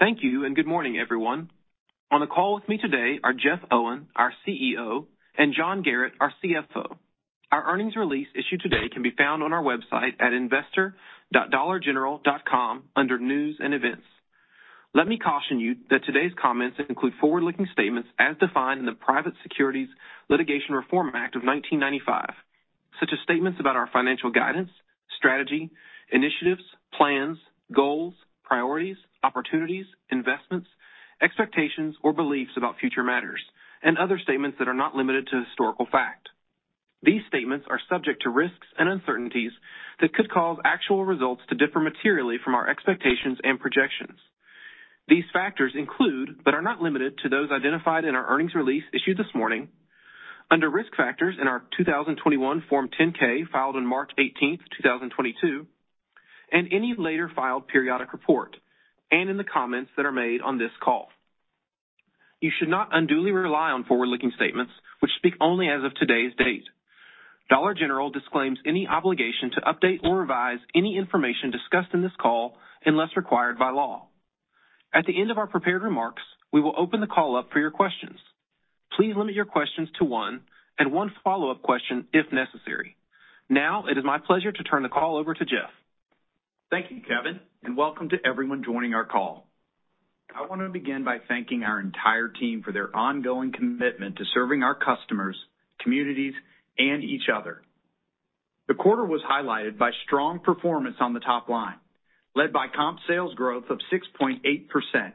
Thank you. Good morning, everyone. On the call with me today are Jeff Owen, our CEO, and John Garratt, our CFO. Our earnings release issued today can be found on our website at investor.dollargeneral.com under News and Events. Let me caution you that today's comments include forward-looking statements as defined in the Private Securities Litigation Reform Act of 1995, such as statements about our financial guidance, strategy, initiatives, plans, goals, priorities, opportunities, investments, expectations or beliefs about future matters and other statements that are not limited to historical fact. These statements are subject to risks and uncertainties that could cause actual results to differ materially from our expectations and projections. These factors include, but are not limited to, those identified in our earnings release issued this morning, under Risk Factors in our 2021 Form 10-K filed on March 18th, 2022, and any later filed periodic report, and in the comments that are made on this call. You should not unduly rely on forward-looking statements which speak only as of today's date. Dollar General disclaims any obligation to update or revise any information discussed in this call unless required by law. At the end of our prepared remarks, we will open the call up for your questions. Please limit your questions to one and one follow-up question if necessary. Now it is my pleasure to turn the call over to Jeff. Thank you, Kevin. Welcome to everyone joining our call. I want to begin by thanking our entire team for their ongoing commitment to serving our customers, communities, and each other. The quarter was highlighted by strong performance on the top line, led by comp sales growth of 6.8%,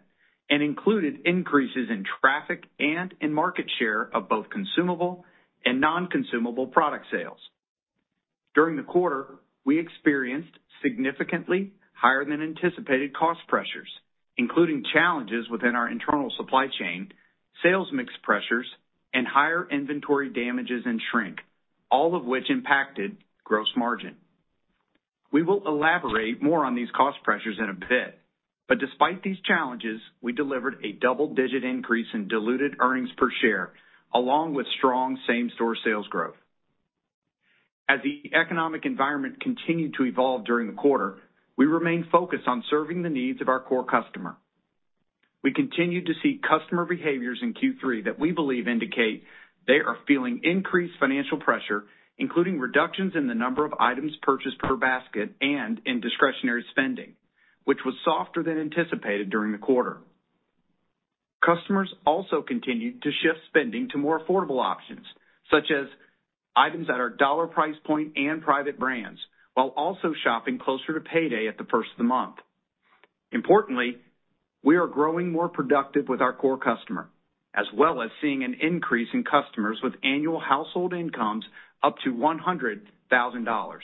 and included increases in traffic and in market share of both consumable and non-consumable product sales. During the quarter, we experienced significantly higher than anticipated cost pressures, including challenges within our internal supply chain, sales mix pressures, and higher inventory damages and shrink, all of which impacted gross margin. We will elaborate more on these cost pressures in a bit, but despite these challenges, we delivered a double-digit increase in diluted earnings per share along with strong same-store sales growth. As the economic environment continued to evolve during the quarter, we remain focused on serving the needs of our core customer. We continued to see customer behaviors in Q3 that we believe indicate they are feeling increased financial pressure, including reductions in the number of items purchased per basket and in discretionary spending, which was softer than anticipated during the quarter. Customers also continued to shift spending to more affordable options, such as items at our dollar price point and private brands, while also shopping closer to payday at the first of the month. Importantly, we are growing more productive with our core customer, as well as seeing an increase in customers with annual household incomes up to $100,000.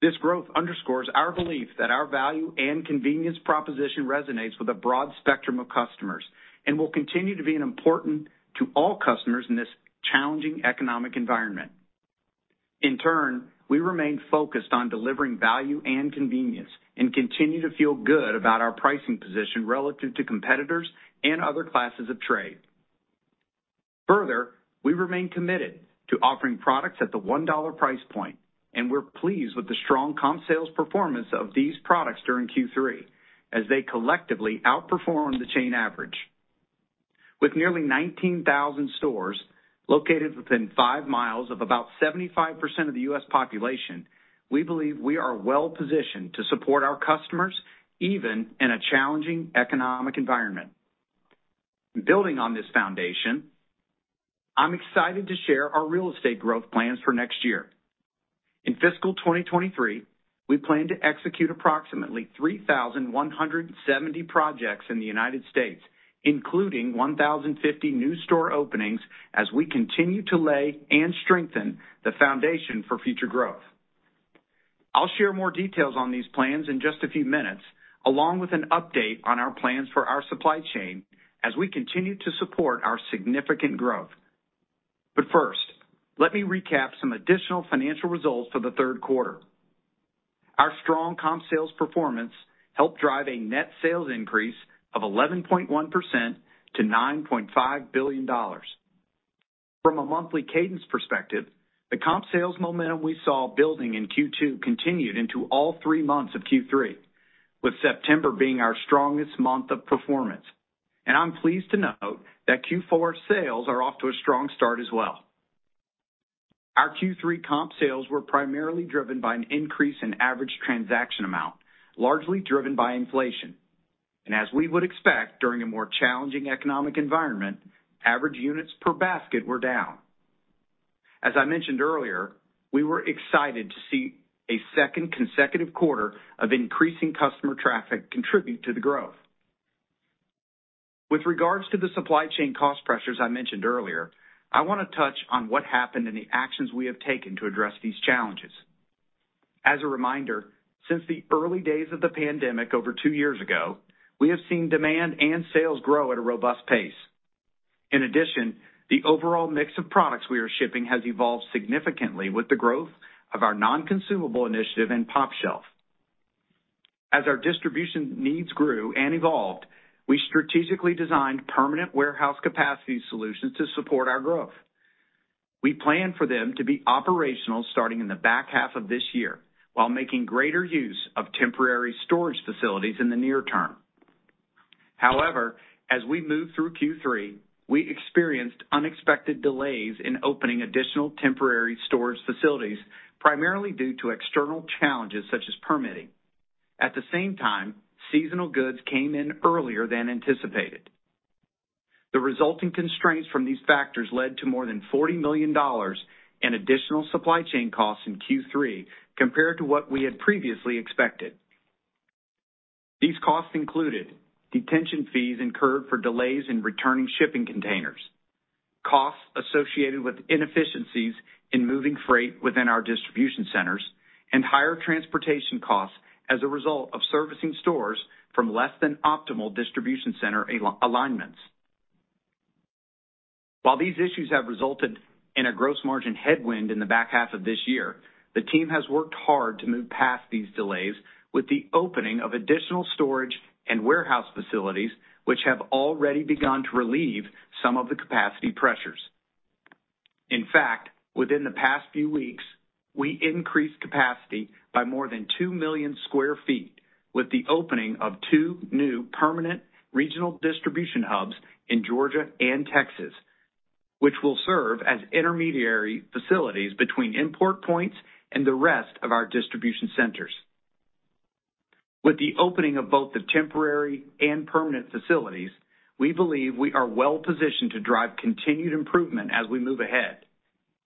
This growth underscores our belief that our value and convenience proposition resonates with a broad spectrum of customers and will continue to be an important to all customers in this challenging economic environment. In turn, we remain focused on delivering value and convenience and continue to feel good about our pricing position relative to competitors and other classes of trade. Further, we remain committed to offering products at the $1 price point, and we're pleased with the strong comp sales performance of these products during Q3 as they collectively outperformed the chain average. With nearly 19,000 stores located within 5 mi of about 75% of the U.S. population, we believe we are well-positioned to support our customers, even in a challenging economic environment. Building on this foundation, I'm excited to share our real estate growth plans for next year. In fiscal 2023, we plan to execute approximately 3,170 projects in the United States, including 1,050 new store openings as we continue to lay and strengthen the foundation for future growth. I'll share more details on these plans in just a few minutes, along with an update on our plans for our supply chain as we continue to support our significant growth. First, let me recap some additional financial results for the third quarter. Our strong comp sales performance helped drive a net sales increase of 11.1% to $9.5 billion. From a monthly cadence perspective, the comp sales momentum we saw building in Q2 continued into all three months of Q3, with September being our strongest month of performance. I'm pleased to note that Q4 sales are off to a strong start as well. Our Q3 comp sales were primarily driven by an increase in average transaction amount, largely driven by inflation. As we would expect during a more challenging economic environment, average units per basket were down. As I mentioned earlier, we were excited to see a second consecutive quarter of increasing customer traffic contribute to the growth. With regards to the supply chain cost pressures I mentioned earlier, I want to touch on what happened and the actions we have taken to address these challenges. As a reminder, since the early days of the pandemic over two years ago, we have seen demand and sales grow at a robust pace. In addition, the overall mix of products we are shipping has evolved significantly with the growth of our non-consumable initiative in pOpshelf. As our distribution needs grew and evolved, we strategically designed permanent warehouse capacity solutions to support our growth. We plan for them to be operational starting in the back half of this year, while making greater use of temporary storage facilities in the near term. As we move through Q3, we experienced unexpected delays in opening additional temporary storage facilities, primarily due to external challenges such as permitting. At the same time, seasonal goods came in earlier than anticipated. The resulting constraints from these factors led to more than $40 million in additional supply chain costs in Q3 compared to what we had previously expected. These costs included detention fees incurred for delays in returning shipping containers, costs associated with inefficiencies in moving freight within our distribution centers, and higher transportation costs as a result of servicing stores from less than optimal distribution center alignments. While these issues have resulted in a gross margin headwind in the back half of this year, the team has worked hard to move past these delays with the opening of additional storage and warehouse facilities, which have already begun to relieve some of the capacity pressures. In fact, within the past few weeks, we increased capacity by more than 2 million sq ft with the opening of two new permanent regional distribution hubs in Georgia and Texas, which will serve as intermediary facilities between import points and the rest of our distribution centers. With the opening of both the temporary and permanent facilities, we believe we are well-positioned to drive continued improvement as we move ahead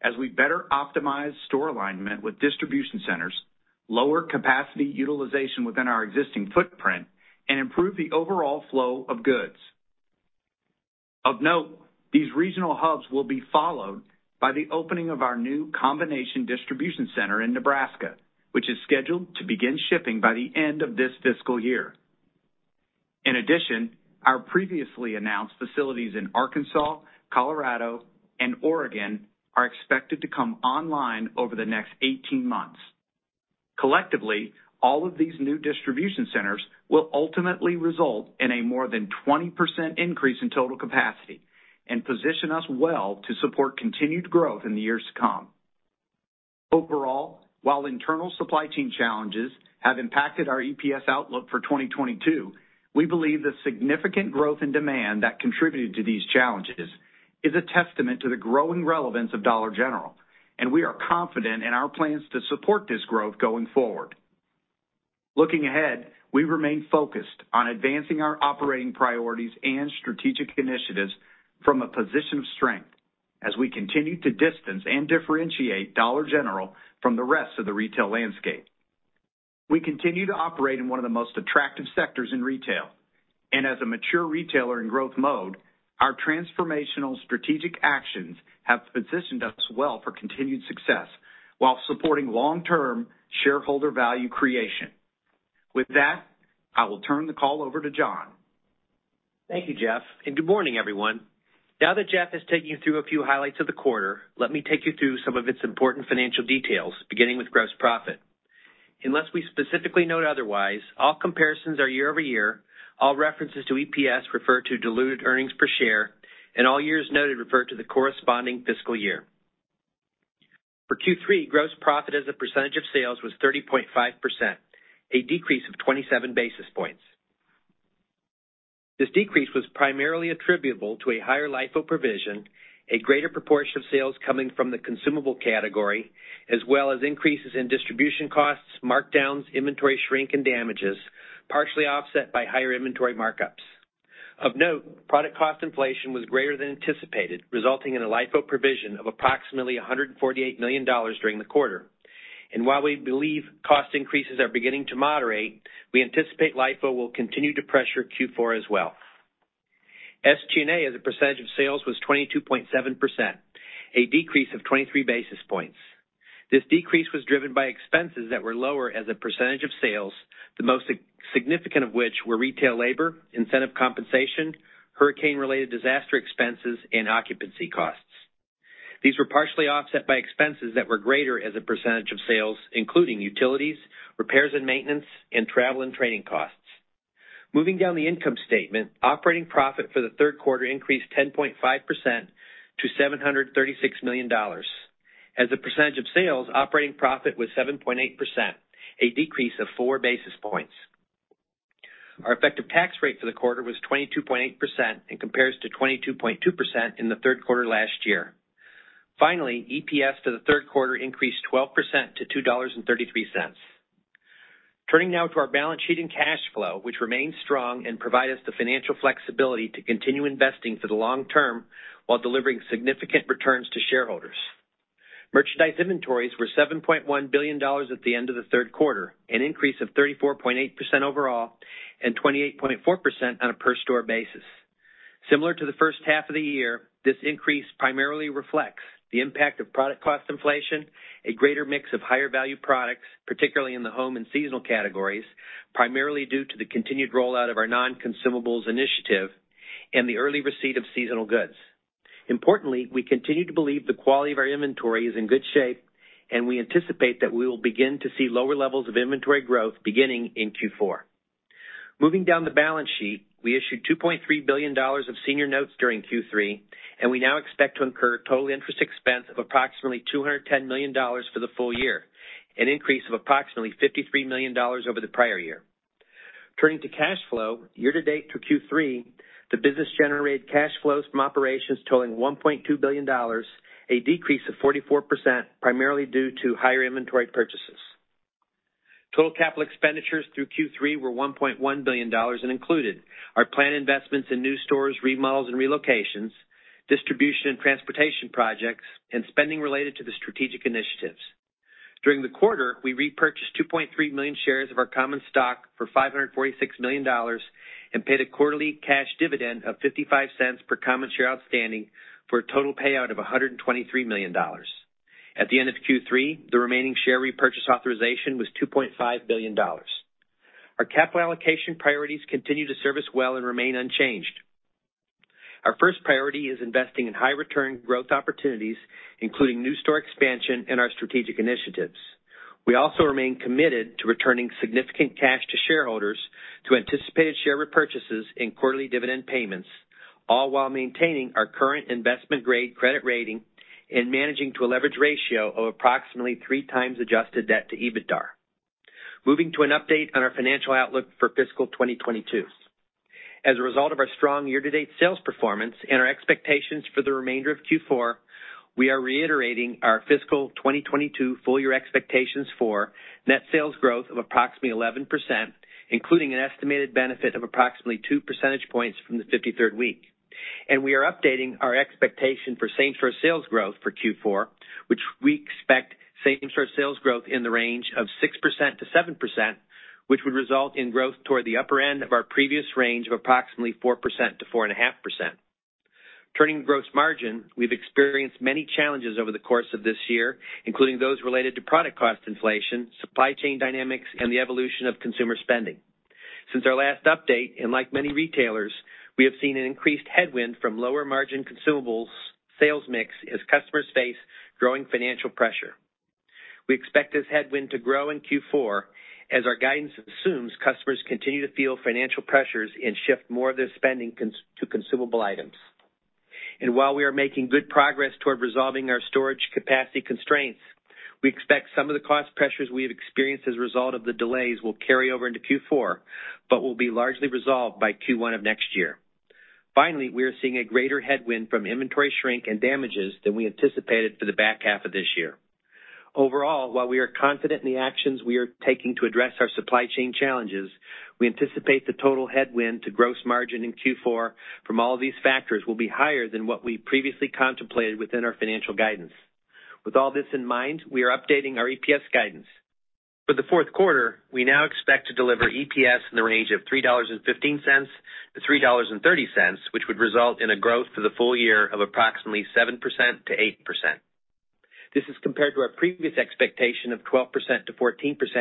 as we better optimize store alignment with distribution centers, lower capacity utilization within our existing footprint, and improve the overall flow of goods. Of note, these regional hubs will be followed by the opening of our new combination distribution center in Nebraska, which is scheduled to begin shipping by the end of this fiscal year. In addition, our previously announced facilities in Arkansas, Colorado and Oregon are expected to come online over the next 18 months. Collectively, all of these new distribution centers will ultimately result in a more than 20% increase in total capacity and position us well to support continued growth in the years to come. Overall, while internal supply chain challenges have impacted our EPS outlook for 2022, we believe the significant growth in demand that contributed to these challenges is a testament to the growing relevance of Dollar General, and we are confident in our plans to support this growth going forward. Looking ahead, we remain focused on advancing our operating priorities and strategic initiatives from a position of strength as we continue to distance and differentiate Dollar General from the rest of the retail landscape. We continue to operate in one of the most attractive sectors in retail, and as a mature retailer in growth mode, our transformational strategic actions have positioned us well for continued success while supporting long-term shareholder value creation. With that, I will turn the call over to John. Thank you, Jeff. Good morning, everyone. Now that Jeff has taken you through a few highlights of the quarter, let me take you through some of its important financial details, beginning with gross profit. Unless we specifically note otherwise, all comparisons are year-over-year. All references to EPS refer to diluted earnings per share. All years noted refer to the corresponding fiscal year. For Q3, gross profit as a percentage of sales was 30.5%, a decrease of 27 basis points. This decrease was primarily attributable to a higher LIFO provision, a greater proportion of sales coming from the consumable category, as well as increases in distribution costs, markdowns, inventory shrink, and damages, partially offset by higher inventory markups. Of note, product cost inflation was greater than anticipated, resulting in a LIFO provision of approximately $148 million during the quarter. While we believe cost increases are beginning to moderate, we anticipate LIFO will continue to pressure Q4 as well. SG&A as a percentage of sales was 22.7%, a decrease of 23 basis points. This decrease was driven by expenses that were lower as a percentage of sales, the most significant of which were retail labor, incentive compensation, hurricane-related disaster expenses and occupancy costs. These were partially offset by expenses that were greater as a percentage of sales, including utilities, repairs and maintenance, and travel and training costs. Moving down the income statement, operating profit for the third quarter increased 10.5% to $736 million. As a percentage of sales, operating profit was 7.8%, a decrease of four basis points. Our effective tax rate for the quarter was 22.8% and compares to 22.2% in the third quarter last year. EPS for the third quarter increased 12% to $2.33. Turning now to our balance sheet and cash flow, which remain strong and provide us the financial flexibility to continue investing for the long term while delivering significant returns to shareholders. Merchandise inventories were $7.1 billion at the end of the third quarter, an increase of 34.8% overall and 28.4% on a per store basis. Similar to the first half of the year, this increase primarily reflects the impact of product cost inflation, a greater mix of higher value products, particularly in the home and seasonal categories, primarily due to the continued rollout of our non-consumables initiative and the early receipt of seasonal goods. Importantly, we continue to believe the quality of our inventory is in good shape and we anticipate that we will begin to see lower levels of inventory growth beginning in Q4. Moving down the balance sheet, we issued $2.3 billion of senior notes during Q3. We now expect to incur total interest expense of approximately $210 million for the full year, an increase of approximately $53 million over the prior year. Turning to cash flow, year-to-date through Q3, the business generated cash flows from operations totaling $1.2 billion, a decrease of 44%, primarily due to higher inventory purchases. Total capital expenditures through Q3 were $1.1 billion and included our planned investments in new stores, remodels and relocations, distribution and transportation projects, and spending related to the strategic initiatives. During the quarter, we repurchased 2.3 million shares of our common stock for $546 million and paid a quarterly cash dividend of $0.55 per common share outstanding for a total payout of $123 million. At the end of Q3, the remaining share repurchase authorization was $2.5 billion. Our capital allocation priorities continue to serve us well and remain unchanged. Our first priority is investing in high return growth opportunities, including new store expansion and our strategic initiatives. We also remain committed to returning significant cash to shareholders through anticipated share repurchases and quarterly dividend payments, all while maintaining our current investment-grade credit rating and managing to a leverage ratio of approximately 3x adjusted debt to EBITDAR. Moving to an update on our financial outlook for fiscal 2022. As a result of our strong year-to-date sales performance and our expectations for the remainder of Q4, we are reiterating our fiscal 2022 full-year expectations for net sales growth of approximately 11%, including an estimated benefit of approximately two percentage points from the 53rd week. We are updating our expectation for same-store sales growth for Q4, which we expect same-store sales growth in the range of 6%-7%, which would result in growth toward the upper end of our previous range of approximately 4%-4.5%. Turning to gross margin, we've experienced many challenges over the course of this year, including those related to product cost inflation, supply chain dynamics, and the evolution of consumer spending. Since our last update, and like many retailers, we have seen an increased headwind from lower margin consumables sales mix as customers face growing financial pressure. We expect this headwind to grow in Q4 as our guidance assumes customers continue to feel financial pressures and shift more of their spending to consumable items. While we are making good progress toward resolving our storage capacity constraints, we expect some of the cost pressures we have experienced as a result of the delays will carry over into Q4, but will be largely resolved by Q1 of next year. Finally, we are seeing a greater headwind from inventory shrink and damages than we anticipated for the back half of this year. Overall, while we are confident in the actions we are taking to address our supply chain challenges, we anticipate the total headwind to gross margin in Q4 from all these factors will be higher than what we previously contemplated within our financial guidance. With all this in mind, we are updating our EPS guidance. For the fourth quarter, we now expect to deliver EPS in the range of $3.15-$3.30, which would result in a growth for the full year of approximately 7%-8%. This is compared to our previous expectation of 12%-14%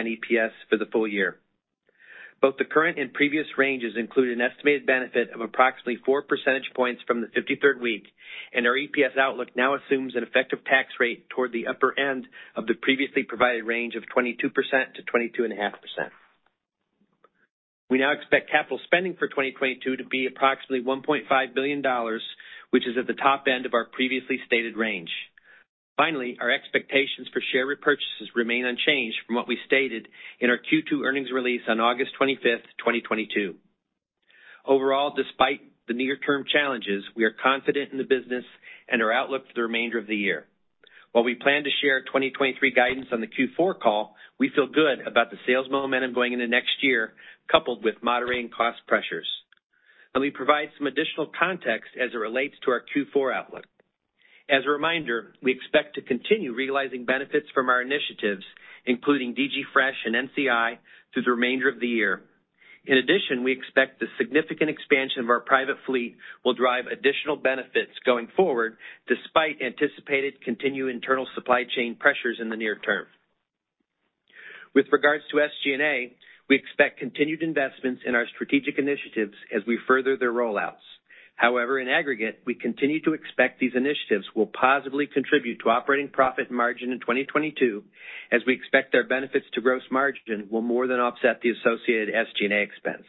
EPS for the full year. Both the current and previous ranges include an estimated benefit of approximately four percentage points from the fifty-third week, and our EPS outlook now assumes an effective tax rate toward the upper end of the previously provided range of 22%-22.5%. We now expect capital spending for 2022 to be approximately $1.5 billion, which is at the top end of our previously stated range. Finally, our expectations for share repurchases remain unchanged from what we stated in our Q2 earnings release on August 25th, 2022. Overall, despite the near-term challenges, we are confident in the business and our outlook for the remainder of the year. While we plan to share our 2023 guidance on the Q4 call, we feel good about the sales momentum going into next year, coupled with moderating cost pressures. Let me provide some additional context as it relates to our Q4 outlook. As a reminder, we expect to continue realizing benefits from our initiatives, including DG Fresh and NCI, through the remainder of the year. In addition, we expect the significant expansion of our private fleet will drive additional benefits going forward, despite anticipated continued internal supply chain pressures in the near term. With regards to SG&A, we expect continued investments in our strategic initiatives as we further their rollouts. In aggregate, we continue to expect these initiatives will positively contribute to operating profit margin in 2022, as we expect their benefits to gross margin will more than offset the associated SG&A expense.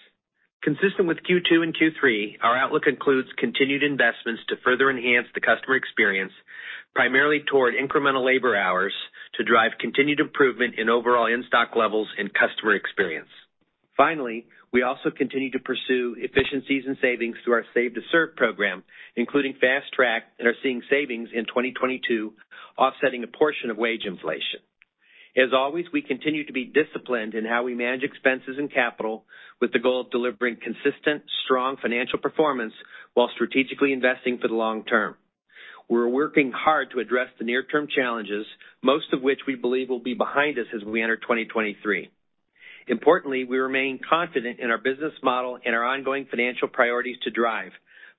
Consistent with Q2 and Q3, our outlook includes continued investments to further enhance the customer experience, primarily toward incremental labor hours to drive continued improvement in overall in-stock levels and customer experience. Finally, we also continue to pursue efficiencies and savings through our Save to Serve program, including Fast Track, and are seeing savings in 2022, offsetting a portion of wage inflation. As always, we continue to be disciplined in how we manage expenses and capital with the goal of delivering consistent, strong financial performance while strategically investing for the long term. We're working hard to address the near-term challenges, most of which we believe will be behind us as we enter 2023. Importantly, we remain confident in our business model and our ongoing financial priorities to drive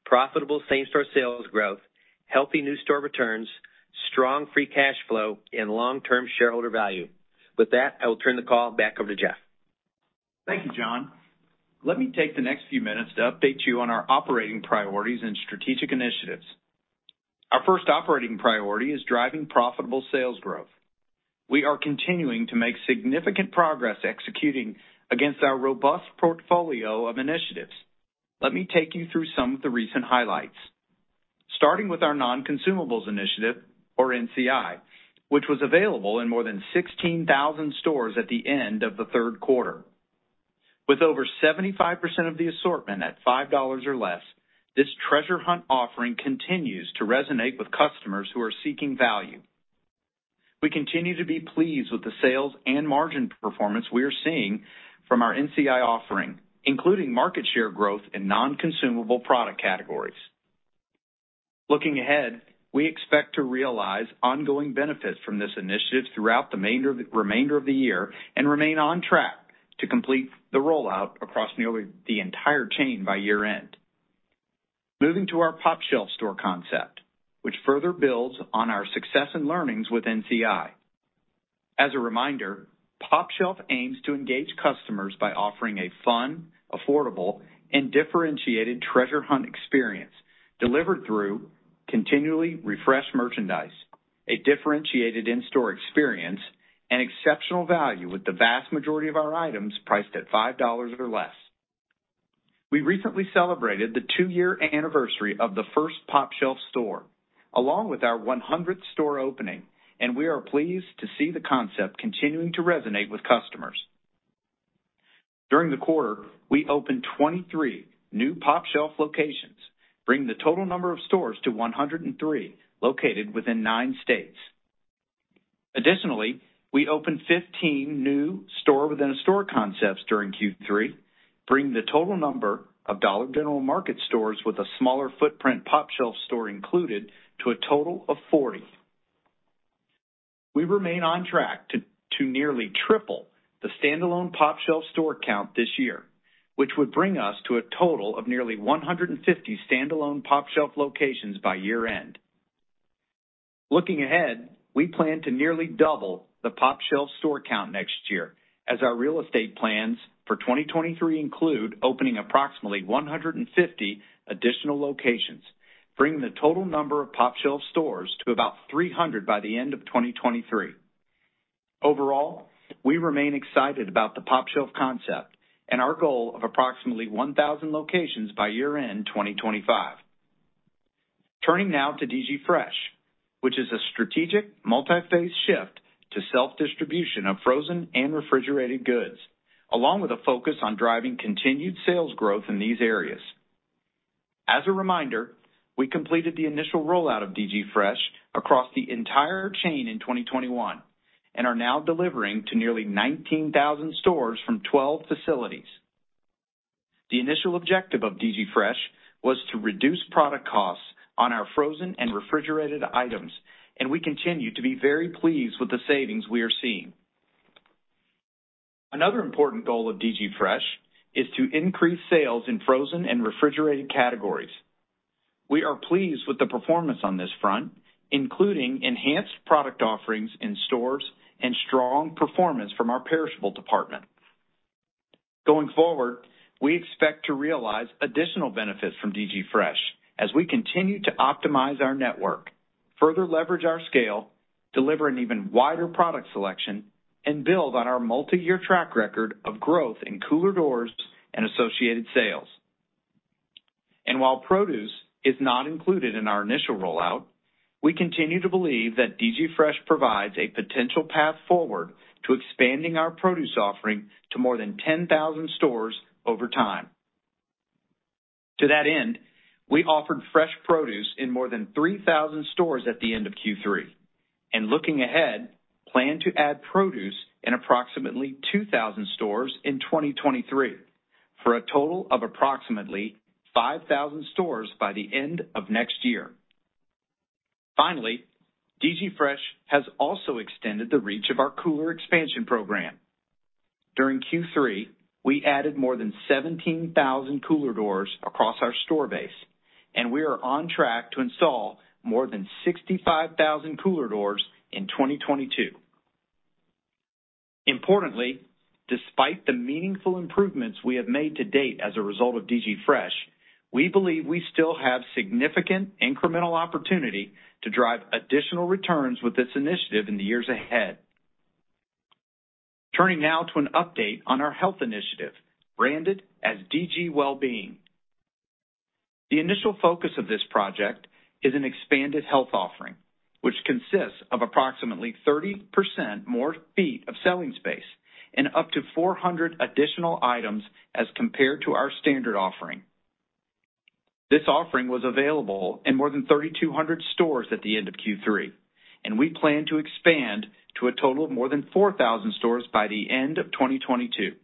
profitable same-store sales growth, healthy new store returns, strong free cash flow, and long-term shareholder value. With that, I will turn the call back over to Jeff. Thank you, John. Let me take the next few minutes to update you on our operating priorities and strategic initiatives. Our first operating priority is driving profitable sales growth. We are continuing to make significant progress executing against our robust portfolio of initiatives. Let me take you through some of the recent highlights, starting with our Non-Consumables Initiative, or NCI, which was available in more than 16,000 stores at the end of the third quarter. With over 75% of the assortment at $5 or less, this treasure hunt offering continues to resonate with customers who are seeking value. We continue to be pleased with the sales and margin performance we are seeing from our NCI offering, including market share growth in non-consumable product categories. Looking ahead, we expect to realize ongoing benefits from this initiative throughout the remainder of the year and remain on track to complete the rollout across nearly the entire chain by year-end. Moving to our pOpshelf store concept, which further builds on our success and learnings with NCI. As a reminder, pOpshelf aims to engage customers by offering a fun, affordable, and differentiated treasure hunt experience delivered through continually refreshed merchandise, a differentiated in-store experience, and exceptional value, with the vast majority of our items priced at $5 or less. We recently celebrated the two-year anniversary of the first pOpshelf store, along with our 100th store opening. We are pleased to see the concept continuing to resonate with customers. During the quarter, we opened 23 new pOpshelf locations, bringing the total number of stores to 103, located within nine states. Additionally, we opened 15 new store-within-a-store concepts during Q3, bringing the total number of Dollar General Market stores with a smaller footprint pOpshelf store included to a total of 40. We remain on track to nearly triple the standalone pOpshelf store count this year, which would bring us to a total of nearly 150 standalone pOpshelf locations by year-end. Looking ahead, we plan to nearly double the pOpshelf store count next year, as our real estate plans for 2023 include opening approximately 150 additional locations, bringing the total number of pOpshelf stores to about 300 by the end of 2023. Overall, we remain excited about the pOpshelf concept and our goal of approximately 1,000 locations by year-end 2025. Turning now to DG Fresh, which is a strategic multiphase shift to self-distribution of frozen and refrigerated goods, along with a focus on driving continued sales growth in these areas. As a reminder, we completed the initial rollout of DG Fresh across the entire chain in 2021, are now delivering to nearly 19,000 stores from 12 facilities. The initial objective of DG Fresh was to reduce product costs on our frozen and refrigerated items, we continue to be very pleased with the savings we are seeing. Another important goal of DG Fresh is to increase sales in frozen and refrigerated categories. We are pleased with the performance on this front, including enhanced product offerings in stores and strong performance from our perishable department. Going forward, we expect to realize additional benefits from DG Fresh as we continue to optimize our network, further leverage our scale, deliver an even wider product selection, and build on our multiyear track record of growth in cooler doors and associated sales. While produce is not included in our initial rollout, we continue to believe that DG Fresh provides a potential path forward to expanding our produce offering to more than 10,000 stores over time. To that end, we offered fresh produce in more than 3,000 stores at the end of Q3, and looking ahead, plan to add produce in approximately 2,000 stores in 2023, for a total of approximately 5,000 stores by the end of next year. DG Fresh has also extended the reach of our cooler expansion program. During Q3, we added more than 17,000 cooler doors across our store base. We are on track to install more than 65,000 cooler doors in 2022. Importantly, despite the meaningful improvements we have made to date as a result of DG Fresh, we believe we still have significant incremental opportunity to drive additional returns with this initiative in the years ahead. Turning now to an update on our health initiative, branded as DG Wellbeing. The initial focus of this project is an expanded health offering, which consists of approximately 30% more feet of selling space and up to 400 additional items as compared to our standard offering. This offering was available in more than 3,200 stores at the end of Q3. We plan to expand to a total of more than 4,000 stores by the end of 2022.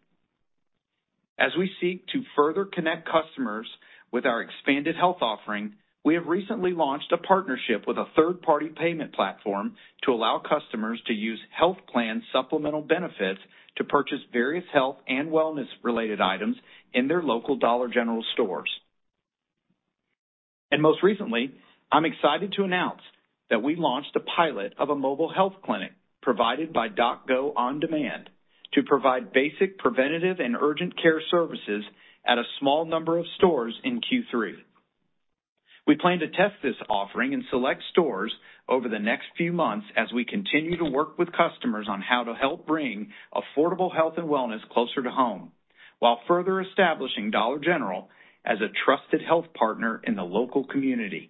As we seek to further connect customers with our expanded health offering, we have recently launched a partnership with a third-party payment platform to allow customers to use health plan supplemental benefits to purchase various health and wellness related items in their local Dollar General stores. Most recently, I'm excited to announce that we launched a pilot of a mobile health clinic provided by DocGo On-Demand. To provide basic preventive and urgent care services at a small number of stores in Q3. We plan to test this offering in select stores over the next few months as we continue to work with customers on how to help bring affordable health and wellness closer to home, while further establishing Dollar General as a trusted health partner in the local community.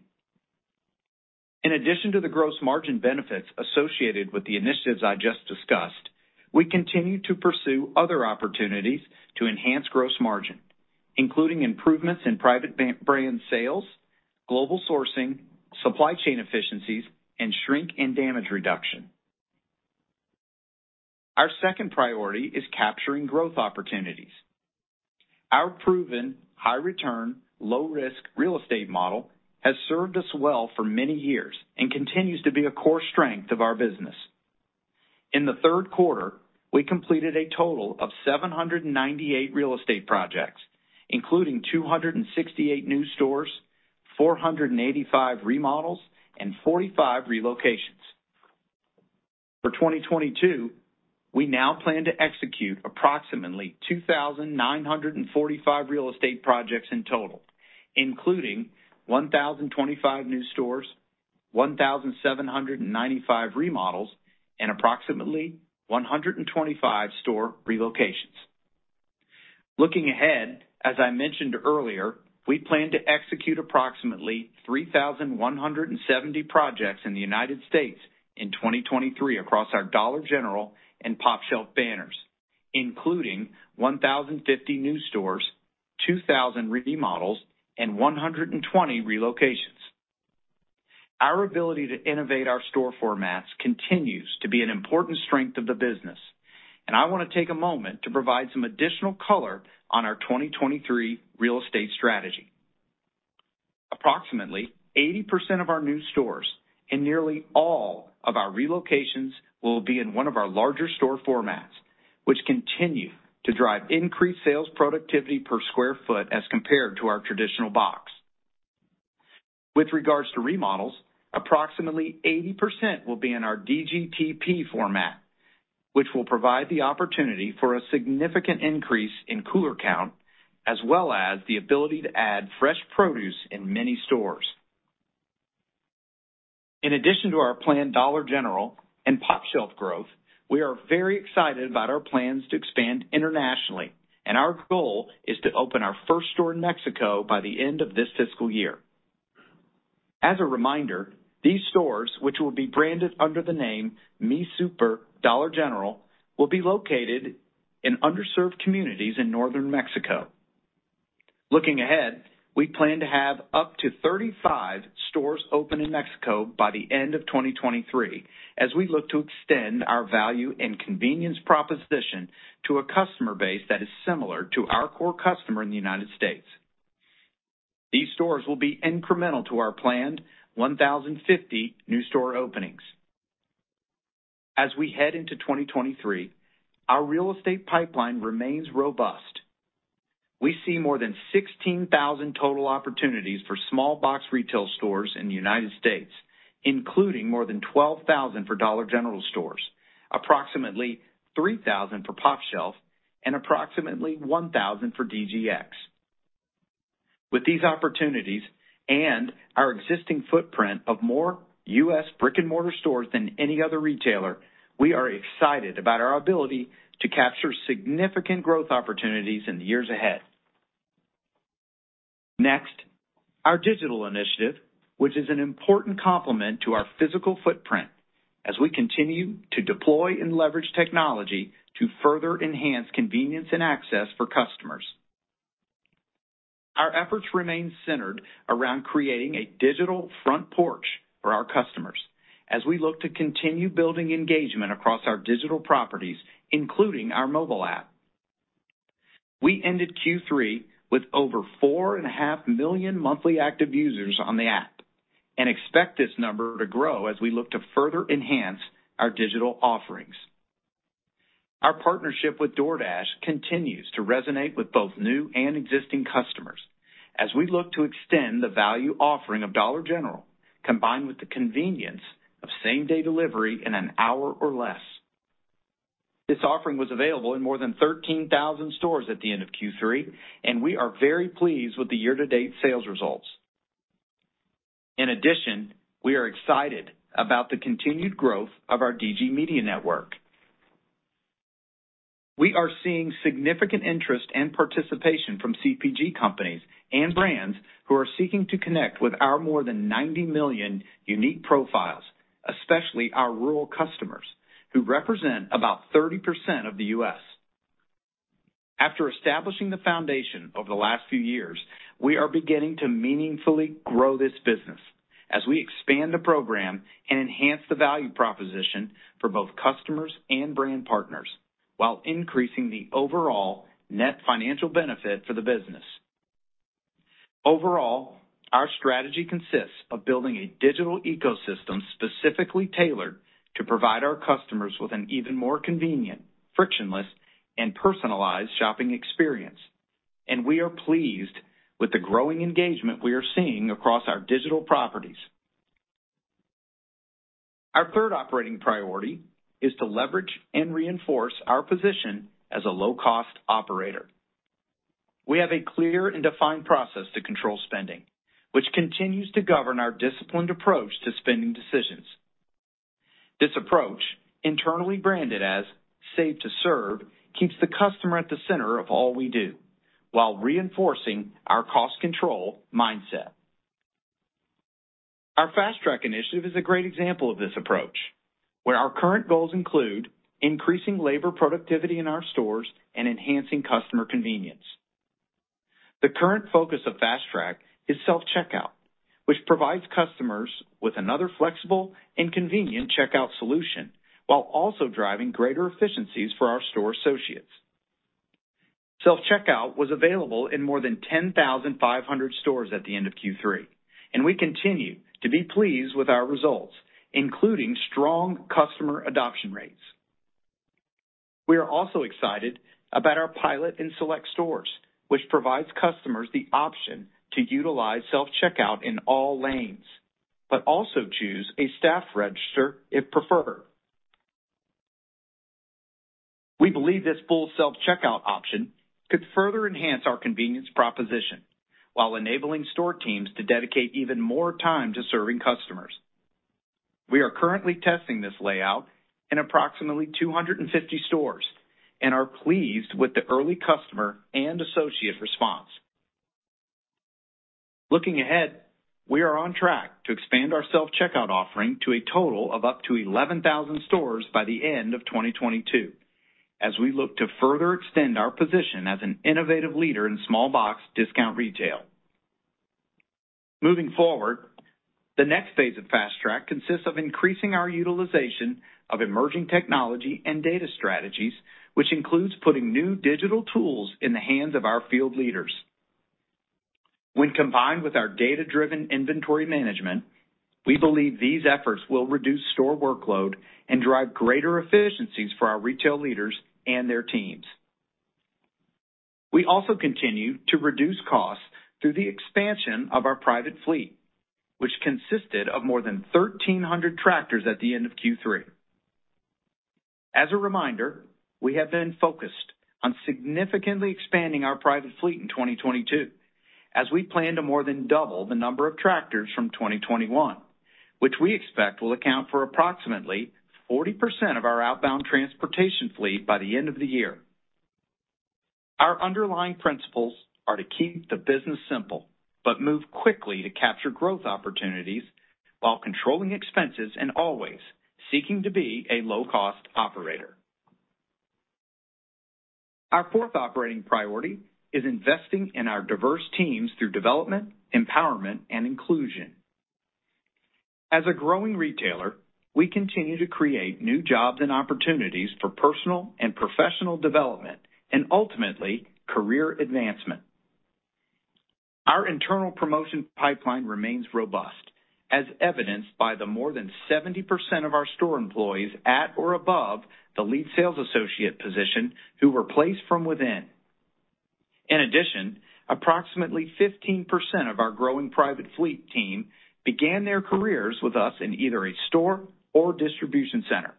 In addition to the gross margin benefits associated with the initiatives I just discussed, we continue to pursue other opportunities to enhance gross margin, including improvements in private brand sales, global sourcing, supply chain efficiencies, and shrink and damage reduction. Our second priority is capturing growth opportunities. Our proven high return, low risk real estate model has served us well for many years and continues to be a core strength of our business. In the third quarter, we completed a total of 798 real estate projects, including 268 new stores, 485 remodels, and 45 relocations. For 2022, we now plan to execute approximately 2,945 real estate projects in total, including 1,025 new stores, 1,795 remodels, and approximately 125 store relocations. Looking ahead, as I mentioned earlier, we plan to execute approximately 3,170 projects in the U.S. in 2023 across our Dollar General and pOpshelf banners, including 1,050 new stores, 2,000 remodels, and 120 relocations. Our ability to innovate our store formats continues to be an important strength of the business, I wanna take a moment to provide some additional color on our 2023 real estate strategy. Approximately 80% of our new stores and nearly all of our relocations will be in one of our larger store formats, which continue to drive increased sales productivity per sq ft as compared to our traditional box. With regards to remodels, approximately 80% will be in our DGTP format, which will provide the opportunity for a significant increase in cooler count, as well as the ability to add fresh produce in many stores. In addition to our planned Dollar General and pOpshelf growth, we are very excited about our plans to expand internationally, and our goal is to open our first store in Mexico by the end of this fiscal year. As a reminder, these stores, which will be branded under the name Mi Súper Dollar General, will be located in underserved communities in northern Mexico. Looking ahead, we plan to have up to 35 stores open in Mexico by the end of 2023, as we look to extend our value and convenience proposition to a customer base that is similar to our core customer in the United States. These stores will be incremental to our planned 1,050 new store openings. As we head into 2023, our real estate pipeline remains robust. We see more than 16,000 total opportunities for small box retail stores in the United States, including more than 12,000 for Dollar General stores, approximately 3,000 for pOpshelf, and approximately 1,000 for DGX. With these opportunities and our existing footprint of more U.S. Brick-and-mortar stores than any other retailer, we are excited about our ability to capture significant growth opportunities in the years ahead. Next, our digital initiative, which is an important complement to our physical footprint as we continue to deploy and leverage technology to further enhance convenience and access for customers. Our efforts remain centered around creating a digital front porch for our customers as we look to continue building engagement across our digital properties, including our mobile app. We ended Q3 with over 4.5 million monthly active users on the app and expect this number to grow as we look to further enhance our digital offerings. Our partnership with DoorDash continues to resonate with both new and existing customers as we look to extend the value offering of Dollar General, combined with the convenience of same-day delivery in an hour or less. This offering was available in more than 13,000 stores at the end of Q3. We are very pleased with the year-to-date sales results. In addition, we are excited about the continued growth of our DG Media Network. We are seeing significant interest and participation from CPG companies and brands who are seeking to connect with our more than 90 million unique profiles, especially our rural customers, who represent about 30% of the U.S. After establishing the foundation over the last few years, we are beginning to meaningfully grow this business as we expand the program and enhance the value proposition for both customers and brand partners while increasing the overall net financial benefit for the business. Overall, our strategy consists of building a digital ecosystem specifically tailored to provide our customers with an even more convenient, frictionless, and personalized shopping experience, and we are pleased with the growing engagement we are seeing across our digital properties. Our third operating priority is to leverage and reinforce our position as a low-cost operator. We have a clear and defined process to control spending, which continues to govern our disciplined approach to spending decisions. This approach, internally branded as Save to Serve, keeps the customer at the center of all we do while reinforcing our cost control mindset. Our Fast Track initiative is a great example of this approach, where our current goals include increasing labor productivity in our stores and enhancing customer convenience. The current focus of Fast Track is self-checkout, which provides customers with another flexible and convenient checkout solution while also driving greater efficiencies for our store associates. Self-checkout was available in more than 10,500 stores at the end of Q3, and we continue to be pleased with our results, including strong customer adoption rates. We are also excited about our pilot in select stores, which provides customers the option to utilize self-checkout in all lanes, also choose a staff register if preferred. We believe this full self-checkout option could further enhance our convenience proposition while enabling store teams to dedicate even more time to serving customers. We are currently testing this layout in approximately 250 stores and are pleased with the early customer and associate response. Looking ahead, we are on track to expand our self-checkout offering to a total of up to 11,000 stores by the end of 2022, as we look to further extend our position as an innovative leader in small box discount retail. Moving forward, the next phase of Fast Track consists of increasing our utilization of emerging technology and data strategies, which includes putting new digital tools in the hands of our field leaders. When combined with our data-driven inventory management, we believe these efforts will reduce store workload and drive greater efficiencies for our retail leaders and their teams. We also continue to reduce costs through the expansion of our private fleet, which consisted of more than 1,300 tractors at the end of Q3. As a reminder, we have been focused on significantly expanding our private fleet in 2022 as we plan to more than double the number of tractors from 2021, which we expect will account for approximately 40% of our outbound transportation fleet by the end of the year. Our underlying principles are to keep the business simple, but move quickly to capture growth opportunities while controlling expenses and always seeking to be a low-cost operator. Our fourth operating priority is investing in our diverse teams through development, empowerment, and inclusion. As a growing retailer, we continue to create new jobs and opportunities for personal and professional development and ultimately career advancement. Our internal promotion pipeline remains robust, as evidenced by the more than 70% of our store employees at or above the lead sales associate position who were placed from within. In addition, approximately 15% of our growing private fleet team began their careers with us in either a store or distribution center.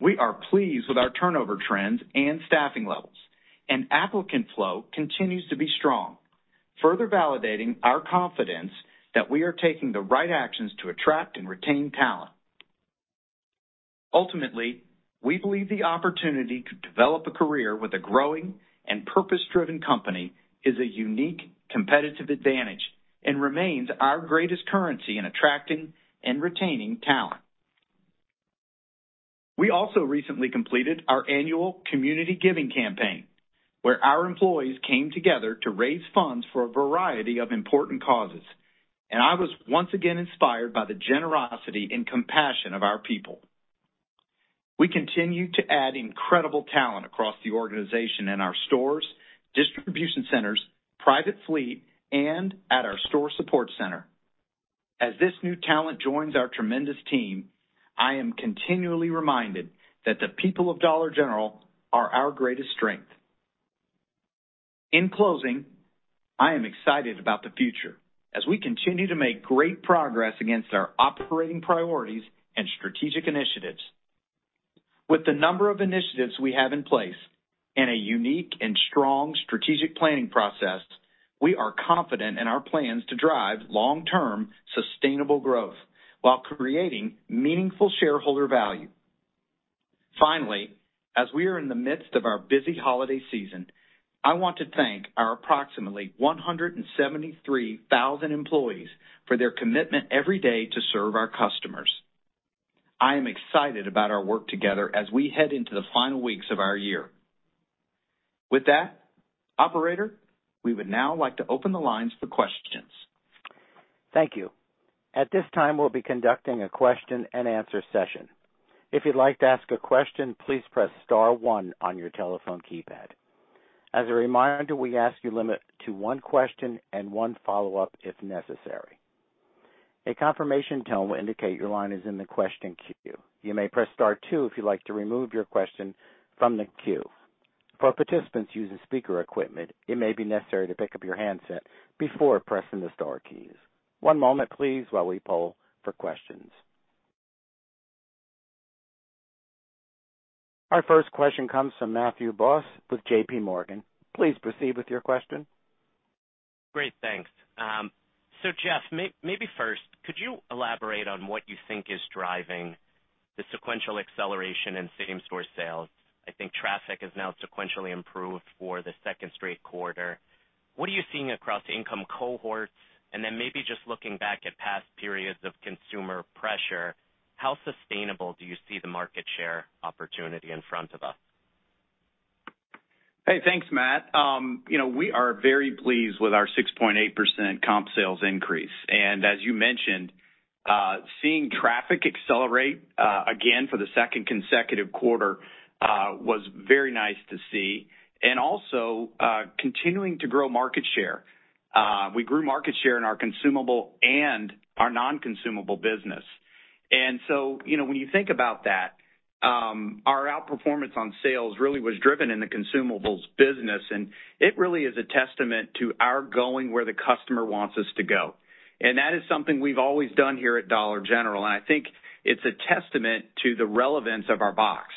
We are pleased with our turnover trends and staffing levels, and applicant flow continues to be strong, further validating our confidence that we are taking the right actions to attract and retain talent. Ultimately, we believe the opportunity to develop a career with a growing and purpose-driven company is a unique competitive advantage and remains our greatest currency in attracting and retaining talent. We also recently completed our annual community giving campaign, where our employees came together to raise funds for a variety of important causes. I was once again inspired by the generosity and compassion of our people. We continue to add incredible talent across the organization in our stores, distribution centers, private fleet, and at our store support center. As this new talent joins our tremendous team, I am continually reminded that the people of Dollar General are our greatest strength. In closing, I am excited about the future as we continue to make great progress against our operating priorities and strategic initiatives. With the number of initiatives we have in place and a unique and strong strategic planning process, we are confident in our plans to drive long-term sustainable growth while creating meaningful shareholder value. Finally, as we are in the midst of our busy holiday season, I want to thank our approximately 173,000 employees for their commitment every day to serve our customers. I am excited about our work together as we head into the final weeks of our year. With that, operator, we would now like to open the lines for questions. Thank you. At this time, we'll be conducting a question and answer session. If you'd like to ask a question, please press star one on your telephone keypad. As a reminder, we ask you limit to one question and one follow-up if necessary. A confirmation tone will indicate your line is in the question queue. You may press star two if you'd like to remove your question from the queue. For participants using speaker equipment, it may be necessary to pick up your handset before pressing the star keys. One moment please while we poll for questions. Our first question comes from Matthew Boss with J.P. Morgan. Please proceed with your question. Great, thanks. Jeff, maybe first, could you elaborate on what you think is driving the sequential acceleration in same-store sales? I think traffic has now sequentially improved for the second straight quarter. What are you seeing across income cohorts? Maybe just looking back at past periods of consumer pressure, how sustainable do you see the market share opportunity in front of us? Hey, thanks, Matt. You know, we are very pleased with our 6.8% comp sales increase. As you mentioned, seeing traffic accelerate, again for the second consecutive quarter, was very nice to see. Also, continuing to grow market share. We grew market share in our consumable and our non-consumable business. So, you know, when you think about that, our outperformance on sales really was driven in the consumables business, and it really is a testament to our going where the customer wants us to go. That is something we've always done here at Dollar General, and I think it's a testament to the relevance of our box.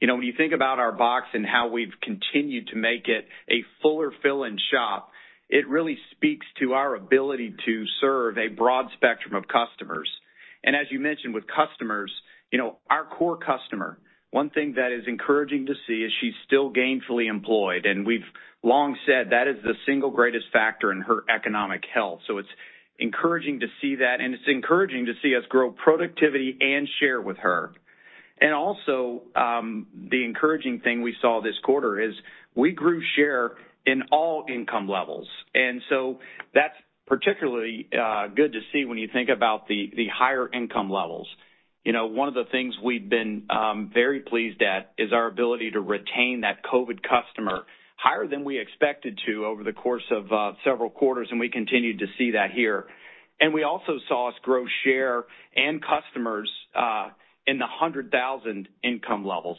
You know, when you think about our box and how we've continued to make it a fuller fill-in shop, it really speaks to our ability to serve a broad spectrum of customers. As you mentioned with customers, you know, our core customer, one thing that is encouraging to see is she's still gainfully employed, and we've long said that is the single greatest factor in her economic health. It's encouraging to see that, and it's encouraging to see us grow productivity and share with her. Also, the encouraging thing we saw this quarter is we grew share in all income levels. That's particularly good to see when you think about the higher income levels. You know, one of the things we've been very pleased at is our ability to retain that COVID customer higher than we expected to over the course of several quarters, and we continued to see that here. We also saw us grow share and customers in the 100,000 income level.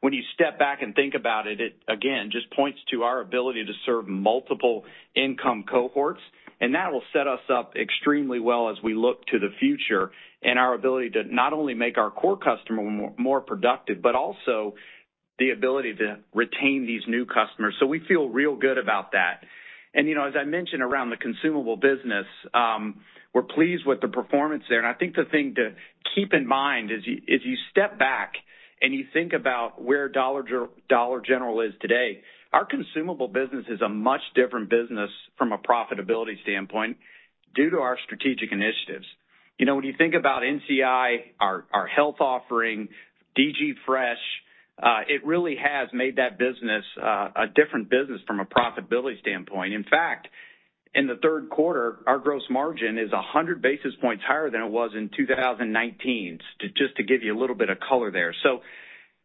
When you step back and think about it again just points to our ability to serve multiple income cohorts, and that will set us up extremely well as we look to the future and our ability to not only make our core customer more productive, but also the ability to retain these new customers. We feel real good about that. You know, as I mentioned around the consumable business, we're pleased with the performance there. I think the thing to keep in mind is you step back and you think about where Dollar General is today. Our consumable business is a much different business from a profitability standpoint due to our strategic initiatives. You know, when you think about NCI, our health offering, DG Fresh, it really has made that business a different business from a profitability standpoint. In fact, in the third quarter, our gross margin is 100 basis points higher than it was in 2019, just to give you a little bit of color there.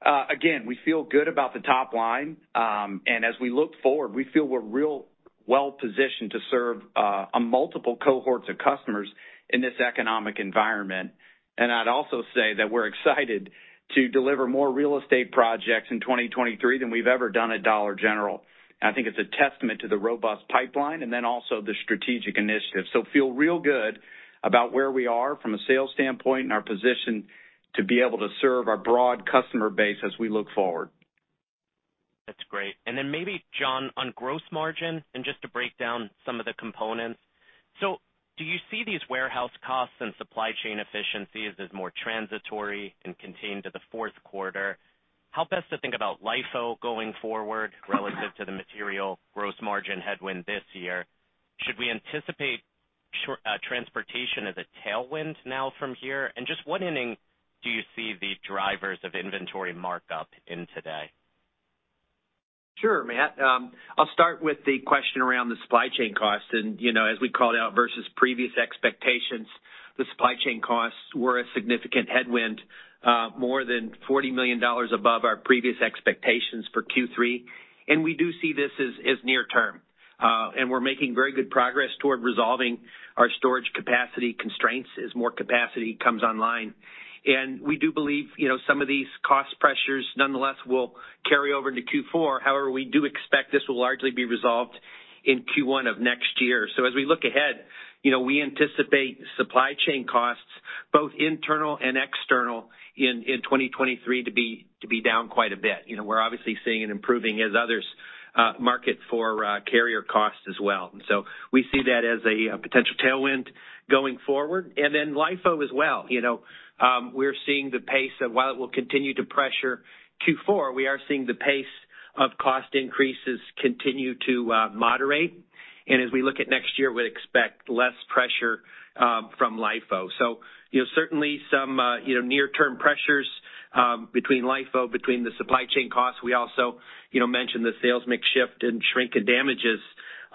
Again, we feel good about the top line, and as we look forward, we feel we're real well positioned to serve a multiple cohorts of customers in this economic environment. I'd also say that we're excited to deliver more real estate projects in 2023 than we've ever done at Dollar General. I think it's a testament to the robust pipeline and then also the strategic initiatives. Feel real good about where we are from a sales standpoint and our position to be able to serve our broad customer base as we look forward. That's great. Maybe, John, on gross margin and just to break down some of the components. Do you see these warehouse costs and supply chain efficiencies as more transitory and contained to the fourth quarter? How best to think about LIFO going forward relative to the material gross margin headwind this year? Should we anticipate transportation as a tailwind now from here? Just what inning do you see the drivers of inventory markup in today? Sure, Matthew. I'll start with the question around the supply chain costs. You know, as we called out versus previous expectations, the supply chain costs were a significant headwind, more than $40 million above our previous expectations for Q3. We do see this as near term. We're making very good progress toward resolving our storage capacity constraints as more capacity comes online. We do believe, you know, some of these cost pressures nonetheless will carry over into Q4. However, we do expect this will largely be resolved in Q1 of next year. As we look ahead, you know, we anticipate supply chain costs, both internal and external, in 2023 to be down quite a bit. You know, we're obviously seeing an improving as others, market for carrier costs as well. We see that as a potential tailwind going forward. LIFO as well. You know, we're seeing the pace of while it will continue to pressure Q4, we are seeing the pace of cost increases continue to moderate. As we look at next year, we'd expect less pressure from LIFO. You know, certainly some, you know, near term pressures between LIFO, between the supply chain costs. We also, you know, mentioned the sales mix shift and shrink in damages.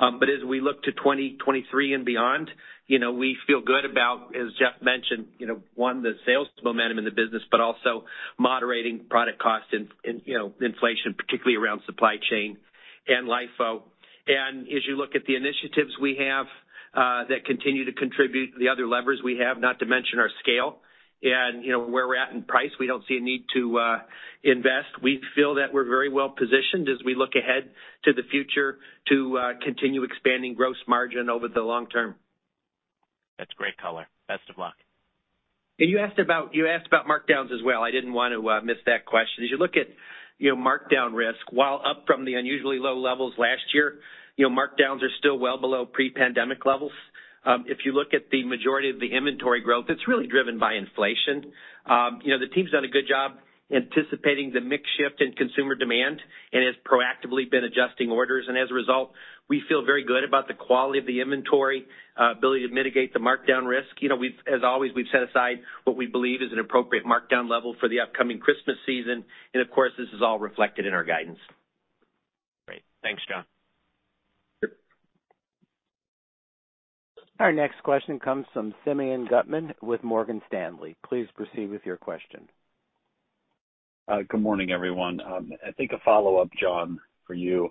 As we look to 2023 and beyond, you know, we feel good about, as Jeff mentioned, you know, one, the sales momentum in the business, but also moderating product costs and, you know, inflation, particularly around supply chain and LIFO. As you look at the initiatives we have, that continue to contribute the other levers we have, not to mention our scale. You know, where we're at in price, we don't see a need to invest. We feel that we're very well-positioned as we look ahead to the future to continue expanding gross margin over the long term. That's great color. Best of luck. You asked about markdowns as well. I didn't want to miss that question. As you look at, you know, markdown risk, while up from the unusually low levels last year, you know, markdowns are still well below pre-pandemic levels. If you look at the majority of the inventory growth, it's really driven by inflation. You know, the team's done a good job anticipating the mix shift in consumer demand and has proactively been adjusting orders. As a result, we feel very good about the quality of the inventory, ability to mitigate the markdown risk. You know, as always, we've set aside what we believe is an appropriate markdown level for the upcoming Christmas season. Of course, this is all reflected in our guidance. Great. Thanks, John. Sure. Our next question comes from Simeon Gutman with Morgan Stanley. Please proceed with your question. Good morning, everyone. I think a follow-up, John, for you.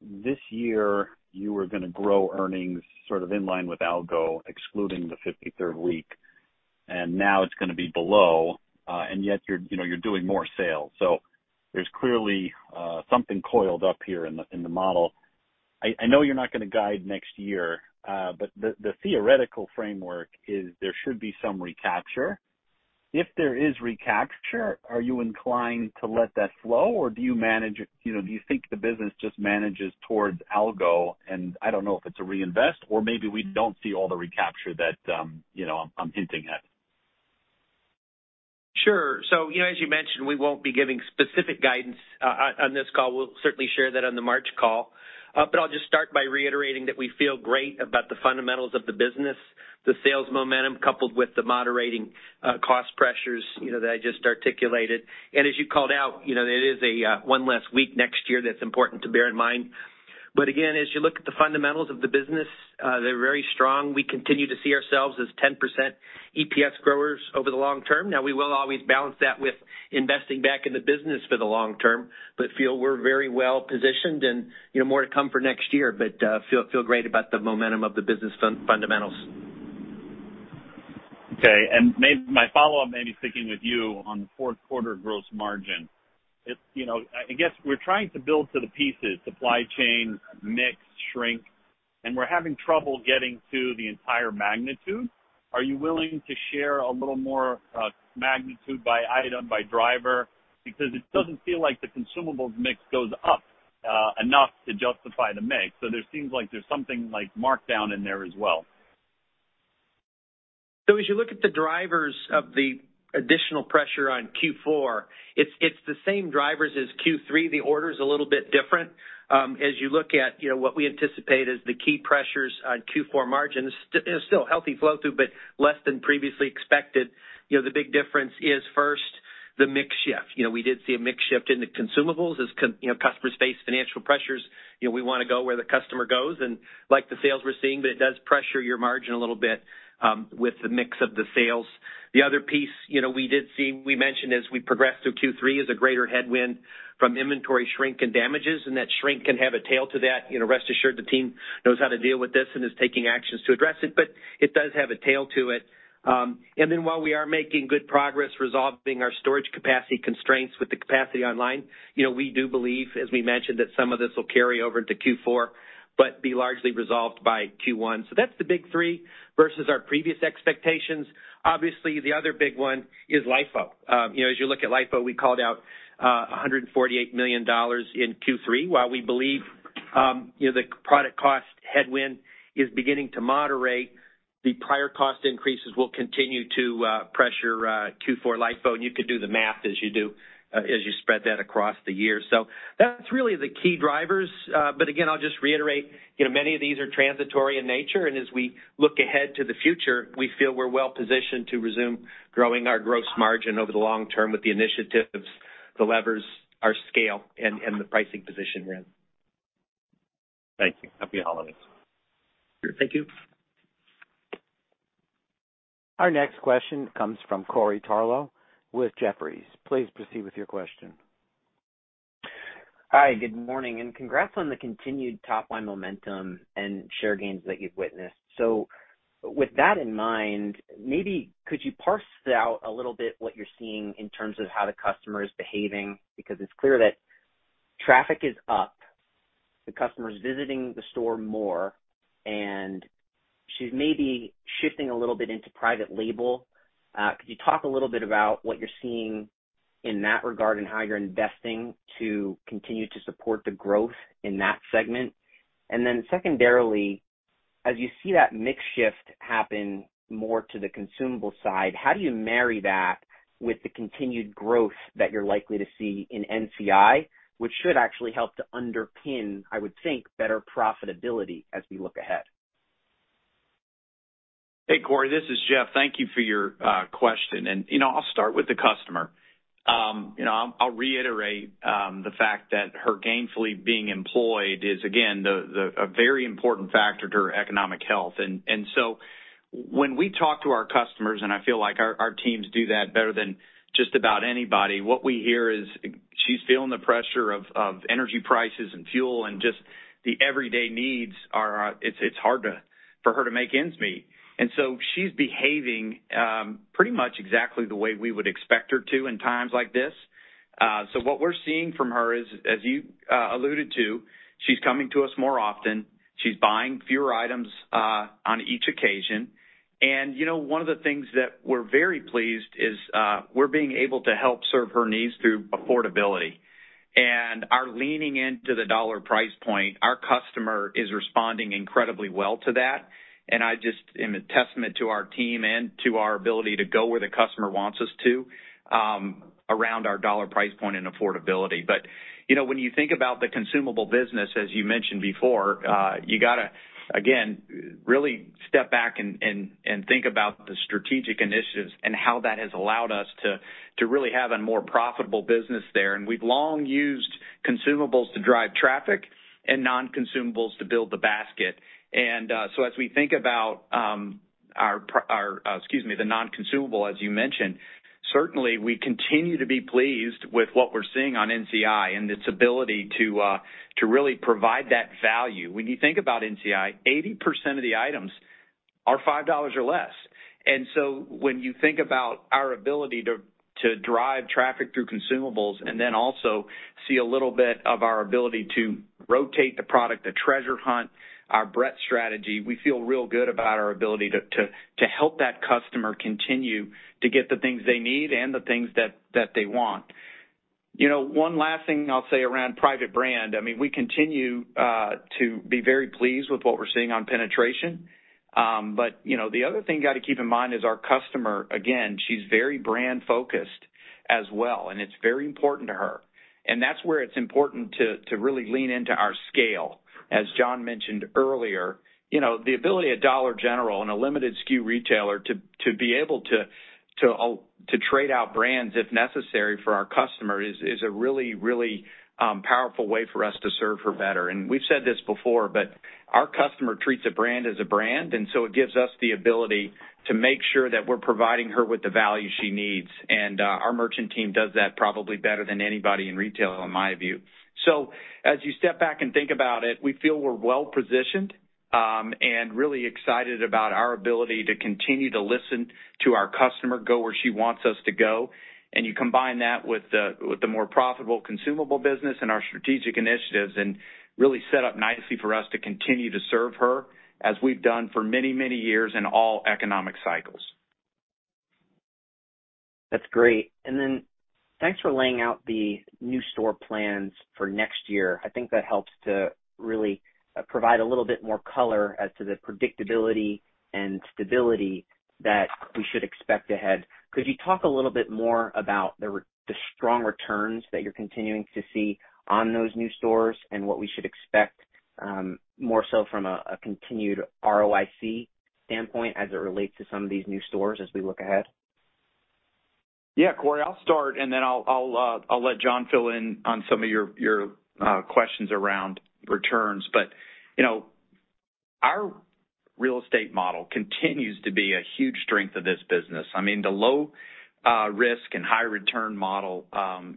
This year, you were gonna grow earnings sort of in line with algo, excluding the 53rd week, and now it's gonna be below, and yet you're, you know, you're doing more sales. There's clearly something coiled up here in the model. I know you're not gonna guide next year, but the theoretical framework is there should be some recapture. If there is recapture, are you inclined to let that flow, or do you think the business just manages towards algo, and I don't know if it's a reinvest or maybe we don't see all the recapture that, you know, I'm hinting at? Sure. You know, as you mentioned, we won't be giving specific guidance on this call. We'll certainly share that on the March call. I'll just start by reiterating that we feel great about the fundamentals of the business, the sales momentum coupled with the moderating cost pressures, you know, that I just articulated. As you called out, you know, it is a one less week next year that's important to bear in mind. Again, as you look at the fundamentals of the business, they're very strong. We continue to see ourselves as 10% EPS growers over the long term. We will always balance that with investing back in the business for the long term, but feel we're very well-positioned and, you know, more to come for next year, but feel great about the momentum of the business fundamentals. Okay. My follow-up may be sticking with you on the fourth quarter gross margin. You know, I guess we're trying to build to the pieces, supply chain, mix, shrink, and we're having trouble getting to the entire magnitude. Are you willing to share a little more magnitude by item, by driver? It doesn't feel like the consumables mix goes up enough to justify the mix. There seems like there's something like markdown in there as well. As you look at the drivers of the additional pressure on Q4, it's the same drivers as Q3. The order is a little bit different. As you look at, you know, what we anticipate as the key pressures on Q4 margins, still healthy flow-through, but less than previously expected. You know, the big difference is, first, the mix shift. You know, we did see a mix shift into consumables as, you know, customers face financial pressures. You know, we wanna go where the customer goes and like the sales we're seeing, but it does pressure your margin a little bit with the mix of the sales. The other piece, you know, we did see, we mentioned as we progress through Q3, is a greater headwind from inventory shrink and damages, and that shrink can have a tail to that. You know, rest assured the team knows how to deal with this and is taking actions to address it, but it does have a tail to it. While we are making good progress resolving our storage capacity constraints with the capacity online, you know, we do believe, as we mentioned, that some of this will carry over into Q4, but be largely resolved by Q1. That's the big three versus our previous expectations. Obviously, the other big one is LIFO. You know, as you look at LIFO, we called out $148 million in Q3. While we believe, you know, the product cost headwind is beginning to moderate, the prior cost increases will continue to pressure Q4 LIFO, and you could do the math as you do as you spread that across the year. That's really the key drivers. Again, I'll just reiterate, you know, many of these are transitory in nature. As we look ahead to the future, we feel we're well-positioned to resume growing our gross margin over the long term with the initiatives, the levers, our scale, and the pricing position we're in. Thank you. Happy holidays. Sure. Thank you. Our next question comes from Corey Tarlowe with Jefferies. Please proceed with your question. Hi, good morning, congrats on the continued top-line momentum and share gains that you've witnessed. With that in mind, maybe could you parse out a little bit what you're seeing in terms of how the customer is behaving? It's clear that traffic is up, the customer is visiting the store more, and she's maybe shifting a little bit into private label. Could you talk a little bit about what you're seeing in that regard and how you're investing to continue to support the growth in that segment? Secondarily, as you see that mix shift happen more to the consumable side, how do you marry that with the continued growth that you're likely to see in NCI, which should actually help to underpin, I would think, better profitability as we look ahead? Hey, Corey, this is Jeff. Thank you for your question. You know, I'll start with the customer. You know, I'll reiterate the fact that her gainfully being employed is, again, a very important factor to her economic health. When we talk to our customers, and I feel like our teams do that better than just about anybody, what we hear is she's feeling the pressure of energy prices and fuel and just the everyday needs, it's hard for her to make ends meet. She's behaving pretty much exactly the way we would expect her to in times like this. What we're seeing from her is, as you alluded to, she's coming to us more often. She's buying fewer items on each occasion. You know, one of the things that we're very pleased is, we're being able to help serve her needs through affordability. Our leaning into the dollar price point, our customer is responding incredibly well to that. I just in a testament to our team and to our ability to go where the customer wants us to, around our dollar price point and affordability. You know, when you think about the consumable business, as you mentioned before, you gotta again, really step back and think about the strategic initiatives and how that has allowed us to really have a more profitable business there. We've long used consumables to drive traffic and non-consumables to build the basket. As we think about the non-consumable, as you mentioned, certainly we continue to be pleased with what we're seeing on NCI and its ability to really provide that value. When you think about NCI, 80% of the items are $5 or less. When you think about our ability to drive traffic through consumables and then also see a little bit of our ability to rotate the product, the treasure hunt, our breadth strategy, we feel real good about our ability to help that customer continue to get the things they need and the things that they want. You know, one last thing I'll say around private brand, I mean, we continue to be very pleased with what we're seeing on penetration. You know, the other thing you got to keep in mind is our customer, again, she's very brand-focused as well, and it's very important to her. That's where it's important to really lean into our scale. As John mentioned earlier, you know, the ability of Dollar General and a limited SKU retailer to be able to trade out brands if necessary for our customer is a really powerful way for us to serve her better. We've said this before, but our customer treats a brand as a brand, and so it gives us the ability to make sure that we're providing her with the value she needs. Our merchant team does that probably better than anybody in retail, in my view. As you step back and think about it, we feel we're well-positioned and really excited about our ability to continue to listen to our customer, go where she wants us to go. You combine that with the more profitable consumable business and our strategic initiatives and really set up nicely for us to continue to serve her as we've done for many, many years in all economic cycles. That's great. Thanks for laying out the new store plans for next year. I think that helps to really provide a little bit more color as to the predictability and stability that we should expect ahead. Could you talk a little bit more about the strong returns that you're continuing to see on those new stores and what we should expect more so from a continued ROIC standpoint as it relates to some of these new stores as we look ahead? Yeah, Corey, I'll start, and then I'll let John fill in on some of your questions around returns. You know, our real estate model continues to be a huge strength of this business. I mean, the low risk and high return model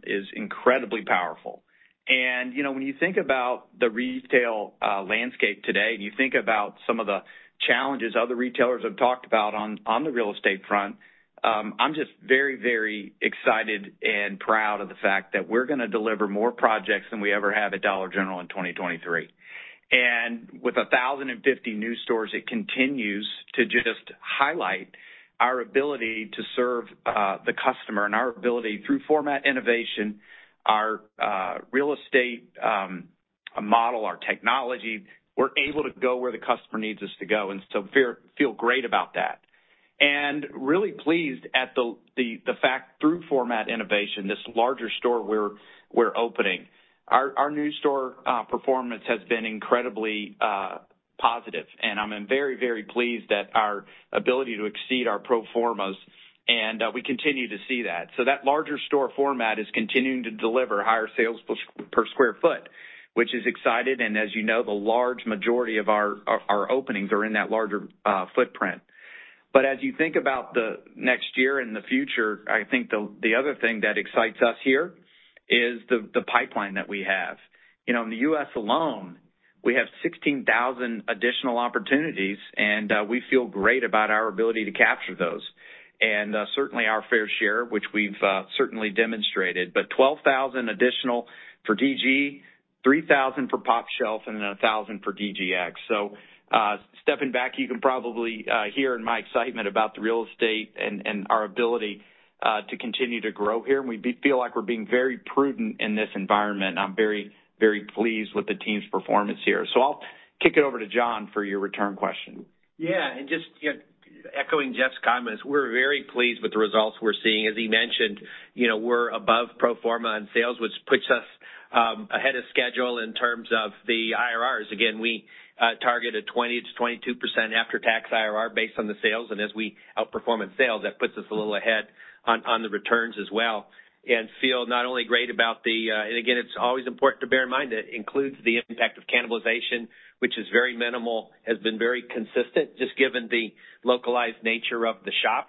is incredibly powerful. You know, when you think about the retail landscape today and you think about some of the challenges other retailers have talked about on the real estate front, I'm just very excited and proud of the fact that we're gonna deliver more projects than we ever have at Dollar General in 2023. With 1,050 new stores, it continues to just highlight our ability to serve the customer and our ability through format innovation, our real estate model, our technology, we're able to go where the customer needs us to go, and so feel great about that. Really pleased at the fact through format innovation, this larger store we're opening, our new store performance has been incredibly positive. I'm very, very pleased at our ability to exceed our pro formas, and we continue to see that. That larger store format is continuing to deliver higher sales per square foot, which is excited. As you know, the large majority of our openings are in that larger footprint. As you think about the next year and the future, I think the other thing that excites us here is the pipeline that we have. You know, in the U.S. alone, we have 16,000 additional opportunities, and we feel great about our ability to capture those. Certainly our fair share, which we've certainly demonstrated, but 12,000 additional for DG, 3,000 for pOpshelf, and then 1,000 for DGX. Stepping back, you can probably hear in my excitement about the real estate and our ability to continue to grow here. We feel like we're being very prudent in this environment. I'm very, very pleased with the team's performance here. I'll kick it over to John for your return question. You know, echoing Jeff's comments, we're very pleased with the results we're seeing. As he mentioned, you know, we're above pro forma on sales, which puts us ahead of schedule in terms of the IRRs. We target a 20%-22% after-tax IRR based on the sales. As we outperforming sales, that puts us a little ahead on the returns as well and feel not only great about the. Again, it's always important to bear in mind that includes the impact of cannibalization, which is very minimal, has been very consistent just given the localized nature of the shop.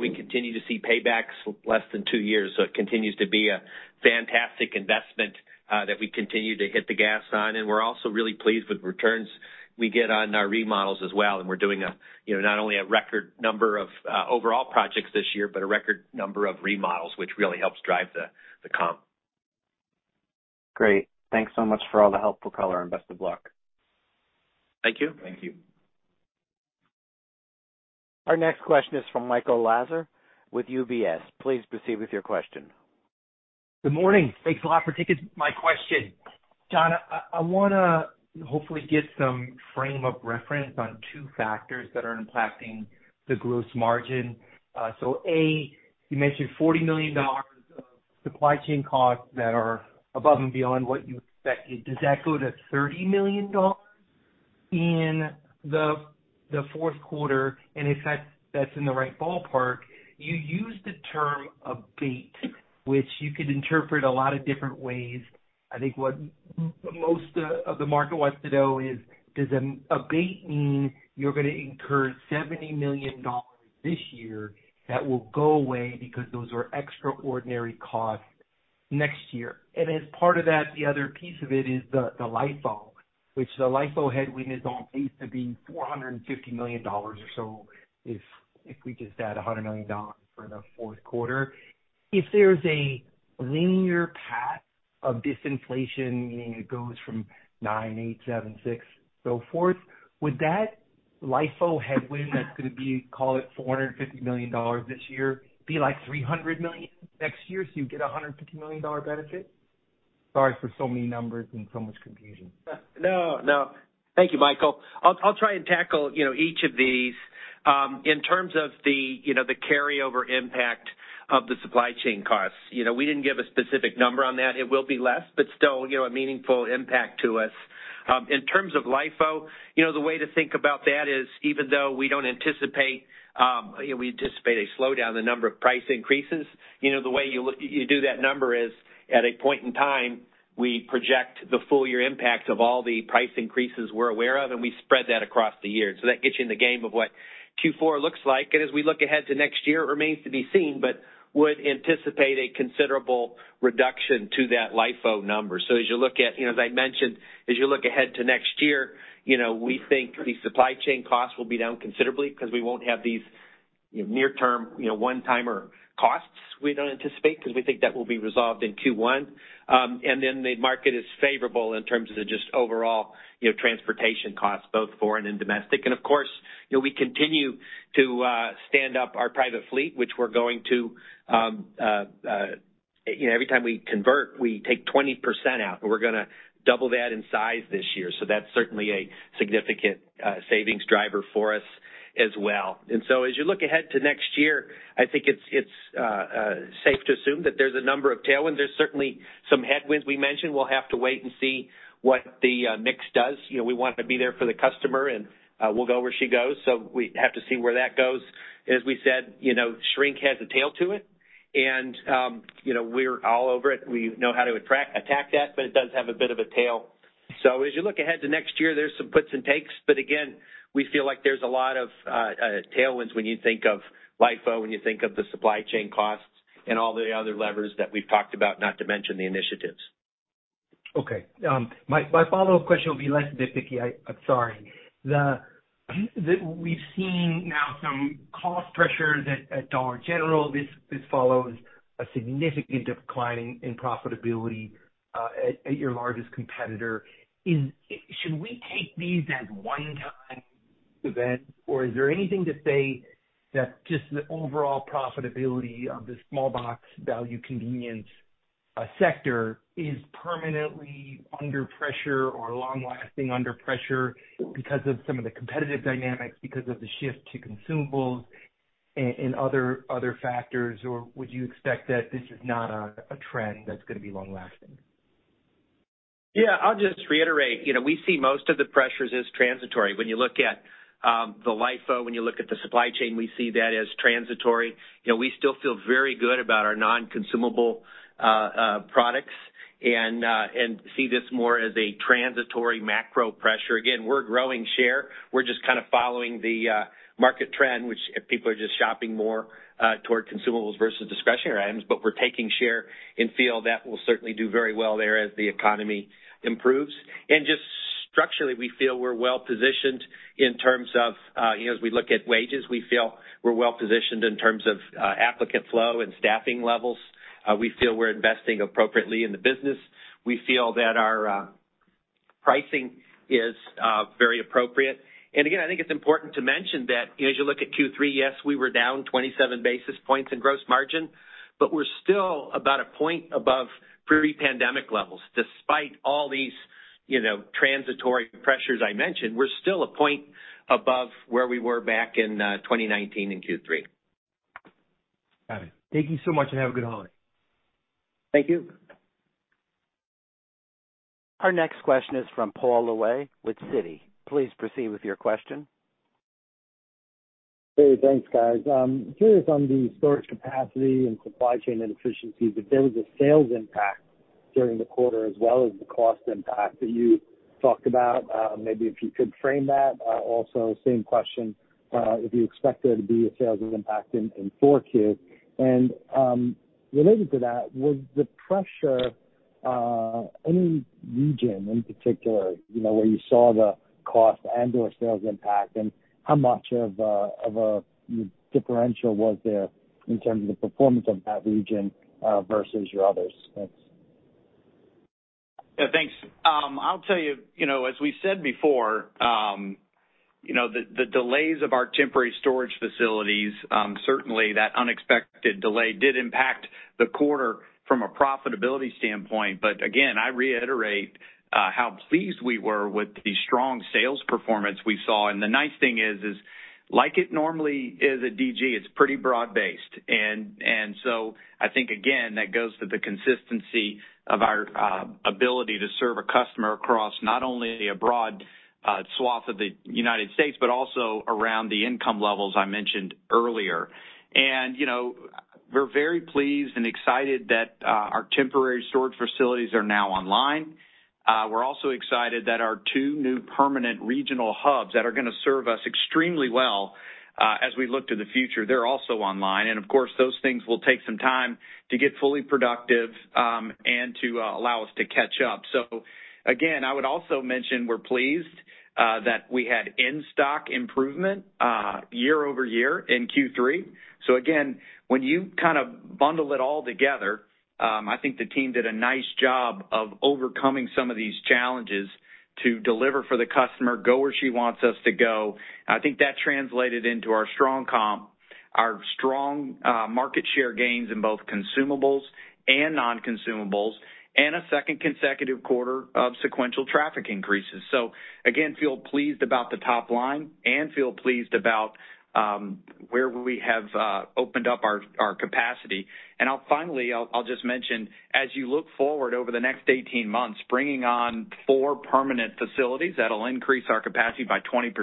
We continue to see paybacks less than two years, it continues to be a fantastic investment that we continue to hit the gas on. We're also really pleased with returns we get on our remodels as well, and we're doing a, you know, not only a record number of overall projects this year, but a record number of remodels, which really helps drive the comp. Great. Thanks so much for all the helpful color, and best of luck. Thank you. Thank you. Our next question is from Michael Lasser with UBS. Please proceed with your question. Good morning. Thanks a lot for taking my question. John, I wanna hopefully get some frame of reference on two factors that are impacting the gross margin. A, you mentioned $40 million of supply chain costs that are above and beyond what you expected. Does that go to $30 million in the fourth quarter? If that's in the right ballpark, you used the term abate, which you could interpret a lot of different ways. I think what most of the market wants to know is, does an abate mean you're gonna incur $70 million this year that will go away because those are extraordinary costs next year? As part of that, the other piece of it is the LIFO, which the LIFO headwind is all pleased to be $450 million or so, if we just add $100 million for the fourth quarter. If there's a linear path of disinflation, meaning it goes from nine, eight, seven, six, so forth, would that LIFO headwind that's gonna be, call it $450 million this year, be like $300 million next year, so you get a $150 million benefit? Sorry for so many numbers and so much confusion. No, no. Thank you, Michael. I'll try and tackle, you know, each of these. In terms of the, you know, the carryover impact of the supply chain costs. You know, we didn't give a specific number on that. It will be less, but still, you know, a meaningful impact to us. In terms of LIFO, you know, the way to think about that is, even though we don't anticipate, you know, we anticipate a slowdown in the number of price increases, you know, the way you do that number is at a point in time, we project the full year impact of all the price increases we're aware of, and we spread that across the year. That gets you in the game of what Q4 looks like. As we look ahead to next year, it remains to be seen, but would anticipate a considerable reduction to that LIFO number. As you look at, you know, as I mentioned, as you look ahead to next year, you know, we think the supply chain costs will be down considerably because we won't have these near term, you know, one-timer costs, we don't anticipate, 'cause we think that will be resolved in Q1. The market is favorable in terms of the just overall, you know, transportation costs, both foreign and domestic. Of course, you know, we continue to stand up our private fleet, which we're going to, you know, every time we convert, we take 20% out, and we're gonna double that in size this year. That's certainly a significant savings driver for us as well. As you look ahead to next year, I think it's safe to assume that there's a number of tailwinds. There's certainly some headwinds we mentioned. We'll have to wait and see what the mix does. You know, we want to be there for the customer, and we'll go where she goes. We have to see where that goes. As we said, you know, shrink has a tail to it and, you know, we're all over it. We know how to attack that, but it does have a bit of a tail. As you look ahead to next year, there's some puts and takes. Again, we feel like there's a lot of, tailwinds when you think of LIFO, when you think of the supply chain costs and all the other levers that we've talked about, not to mention the initiatives. Okay. My follow-up question will be less difficult. I'm sorry. We've seen now some cost pressure that at Dollar General, this follows a significant decline in profitability at your largest competitor. Should we take these as one-time events, or is there anything to say that just the overall profitability of the small box value convenience sector is permanently under pressure or long-lasting under pressure because of some of the competitive dynamics, because of the shift to consumables and other factors? Or would you expect that this is not a trend that's gonna be long-lasting? Yeah. I'll just reiterate, you know, we see most of the pressures as transitory. When you look at the LIFO, when you look at the supply chain, we see that as transitory. You know, we still feel very good about our non-consumable products and see this more as a transitory macro pressure. Again, we're growing share. We're just kind of following the market trend, which people are just shopping more toward consumables versus discretionary items. We're taking share and feel that we'll certainly do very well there as the economy improves. Just structurally, we feel we're well-positioned in terms of, you know, as we look at wages, we feel we're well-positioned in terms of applicant flow and staffing levels. We feel we're investing appropriately in the business. We feel that our pricing is very appropriate. Again, I think it's important to mention that, you know, as you look at Q3, yes, we were down 27 basis points in gross margin, but we're still about a point above pre-pandemic levels. Despite all these, you know, transitory pressures I mentioned, we're still a point above where we were back in 2019 in Q3. Got it. Thank you so much, and have a good holiday. Thank you. Our next question is from Paul Lejuez with Citi. Please proceed with your question. Hey, thanks, guys. Curious on the storage capacity and supply chain and efficiency, if there was a sales impact during the quarter as well as the cost impact that you talked about. Maybe if you could frame that. Also same question, if you expect there to be a sales impact in 4Q. Related to that, was the pressure any region in particular, you know, where you saw the cost and/or sales impact? How much of a differential was there in terms of the performance of that region versus your others? Thanks. Yeah, thanks. I'll tell you know, as we said before, you know, the delays of our temporary storage facilities, certainly that unexpected delay did impact the quarter from a profitability standpoint. Again, I reiterate how pleased we were with the strong sales performance we saw. The nice thing is like it normally is at DG, it's pretty broad-based. I think again, that goes to the consistency of our ability to serve a customer across not only a broad swath of the United States, but also around the income levels I mentioned earlier. You know, we're very pleased and excited that our temporary storage facilities are now online. We're also excited that our two new permanent regional hubs that are gonna serve us extremely well, as we look to the future, they're also online. Of course, those things will take some time to get fully productive, and to allow us to catch up. I would also mention we're pleased that we had in-stock improvement year-over-year in Q3. When you kind of bundle it all together, I think the team did a nice job of overcoming some of these challenges to deliver for the customer, go where she wants us to go. I think that translated into our strong comp, our strong market share gains in both consumables and non-consumables, and a second consecutive quarter of sequential traffic increases. Again, feel pleased about the top line and feel pleased about where we have opened up our capacity. Finally, I'll just mention, as you look forward over the next 18 months, bringing on four permanent facilities that'll increase our capacity by 20%,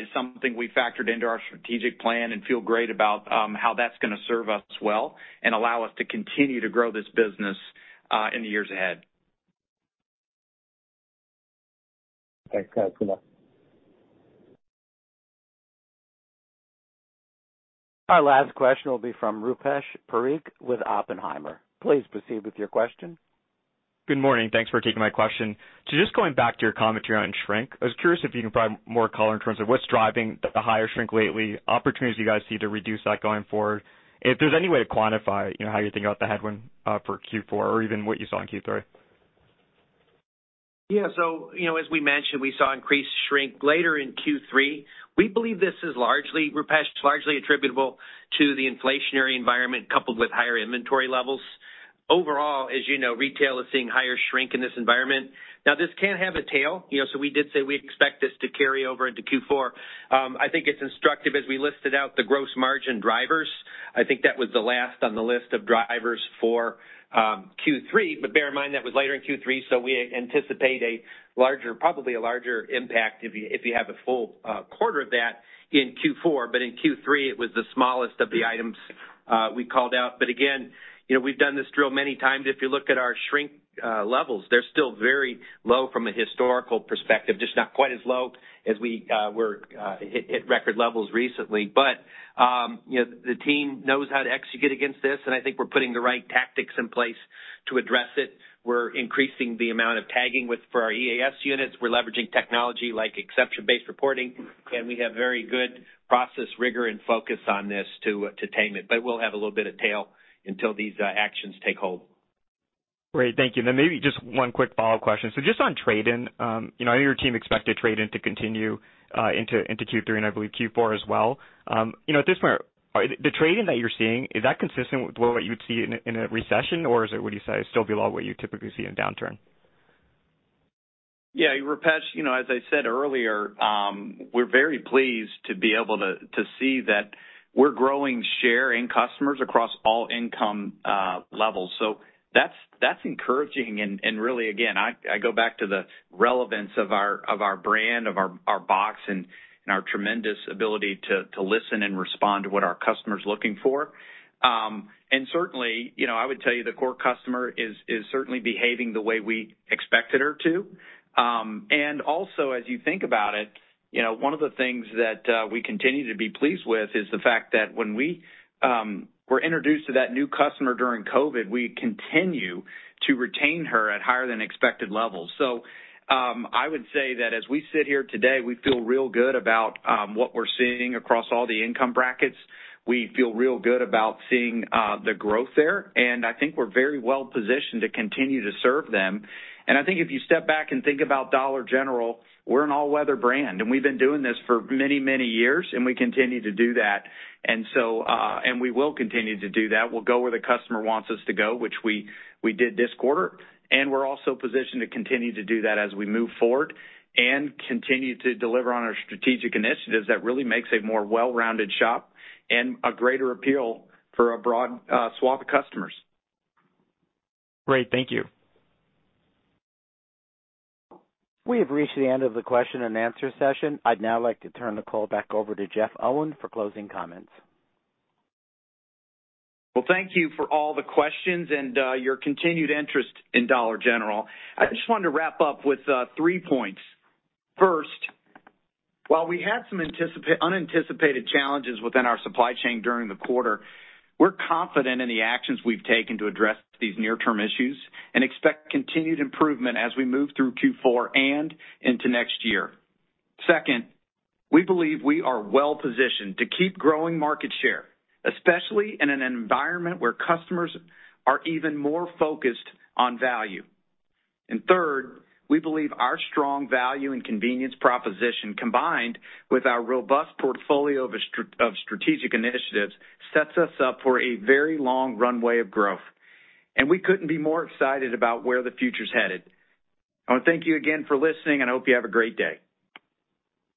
is something we factored into our strategic plan and feel great about how that's gonna serve us well and allow us to continue to grow this business in the years ahead. Thanks, guys. Good luck. Our last question will be from Rupesh Parikh with Oppenheimer. Please proceed with your question. Good morning. Thanks for taking my question. Just going back to your commentary on shrink. I was curious if you can provide more color in terms of what's driving the higher shrink lately, opportunities you guys see to reduce that going forward, if there's any way to quantify, you know, how you're thinking about the headwind for Q4 or even what you saw in Q3? You know, as we mentioned, we saw increased shrink later in Q3. We believe this is largely, Rupesh, largely attributable to the inflationary environment coupled with higher inventory levels. Overall, as you know, retail is seeing higher shrink in this environment. This can have a tail, you know, we did say we expect this to carry over into Q4. I think it's instructive as we listed out the gross margin drivers. I think that was the last on the list of drivers for Q3, but bear in mind, that was later in Q3, so we anticipate probably a larger impact if you, if you have a full quarter of that in Q4. In Q3, it was the smallest of the items we called out. Again, you know, we've done this drill many times. If you look at our shrink, levels, they're still very low from a historical perspective, just not quite as low as we were at record levels recently. You know, the team knows how to execute against this, and I think we're putting the right tactics in place to address it. We're increasing the amount of tagging for our EAS units. We're leveraging technology like exception-based reporting, and we have very good process rigor and focus on this to tame it. We'll have a little bit of tail until these actions take hold. Great. Thank you. Maybe just one quick follow-up question. Just on trade-in, you know, I know your team expected trade-in to continue into Q3 and I believe Q4 as well. You know, at this point, the trade-in that you're seeing, is that consistent with what you would see in a, in a recession, or is it, would you say, still below what you typically see in a downturn? Yeah. Rupesh, you know, as I said earlier, we're very pleased to be able to see that we're growing share in customers across all income levels. That's encouraging. Really, again, I go back to the relevance of our brand, of our box and our tremendous ability to listen and respond to what our customer's looking for. Certainly, you know, I would tell you the core customer is certainly behaving the way we expected her to. Also, as you think about it, you know, one of the things that we continue to be pleased with is the fact that when we were introduced to that new customer during COVID, we continue to retain her at higher than expected levels. I would say that as we sit here today, we feel real good about what we're seeing across all the income brackets. We feel real good about seeing the growth there, and I think we're very well positioned to continue to serve them. I think if you step back and think about Dollar General, we're an all-weather brand, and we've been doing this for many, many years, and we continue to do that, and so, and we will continue to do that. We'll go where the customer wants us to go, which we did this quarter, and we're also positioned to continue to do that as we move forward and continue to deliver on our strategic initiatives that really makes a more well-rounded shop and a greater appeal for a broad swath of customers. Great. Thank you. We have reached the end of the question and answer session. I'd now like to turn the call back over to Jeff Owen for closing comments. Well, thank you for all the questions and your continued interest in Dollar General. I just wanted to wrap up with three points. First, while we had some unanticipated challenges within our supply chain during the quarter, we're confident in the actions we've taken to address these near-term issues and expect continued improvement as we move through Q4 and into next year. Second, we believe we are well positioned to keep growing market share, especially in an environment where customers are even more focused on value. Third, we believe our strong value and convenience proposition, combined with our robust portfolio of strategic initiatives, sets us up for a very long runway of growth. We couldn't be more excited about where the future's headed. I wanna thank you again for listening, and I hope you have a great day.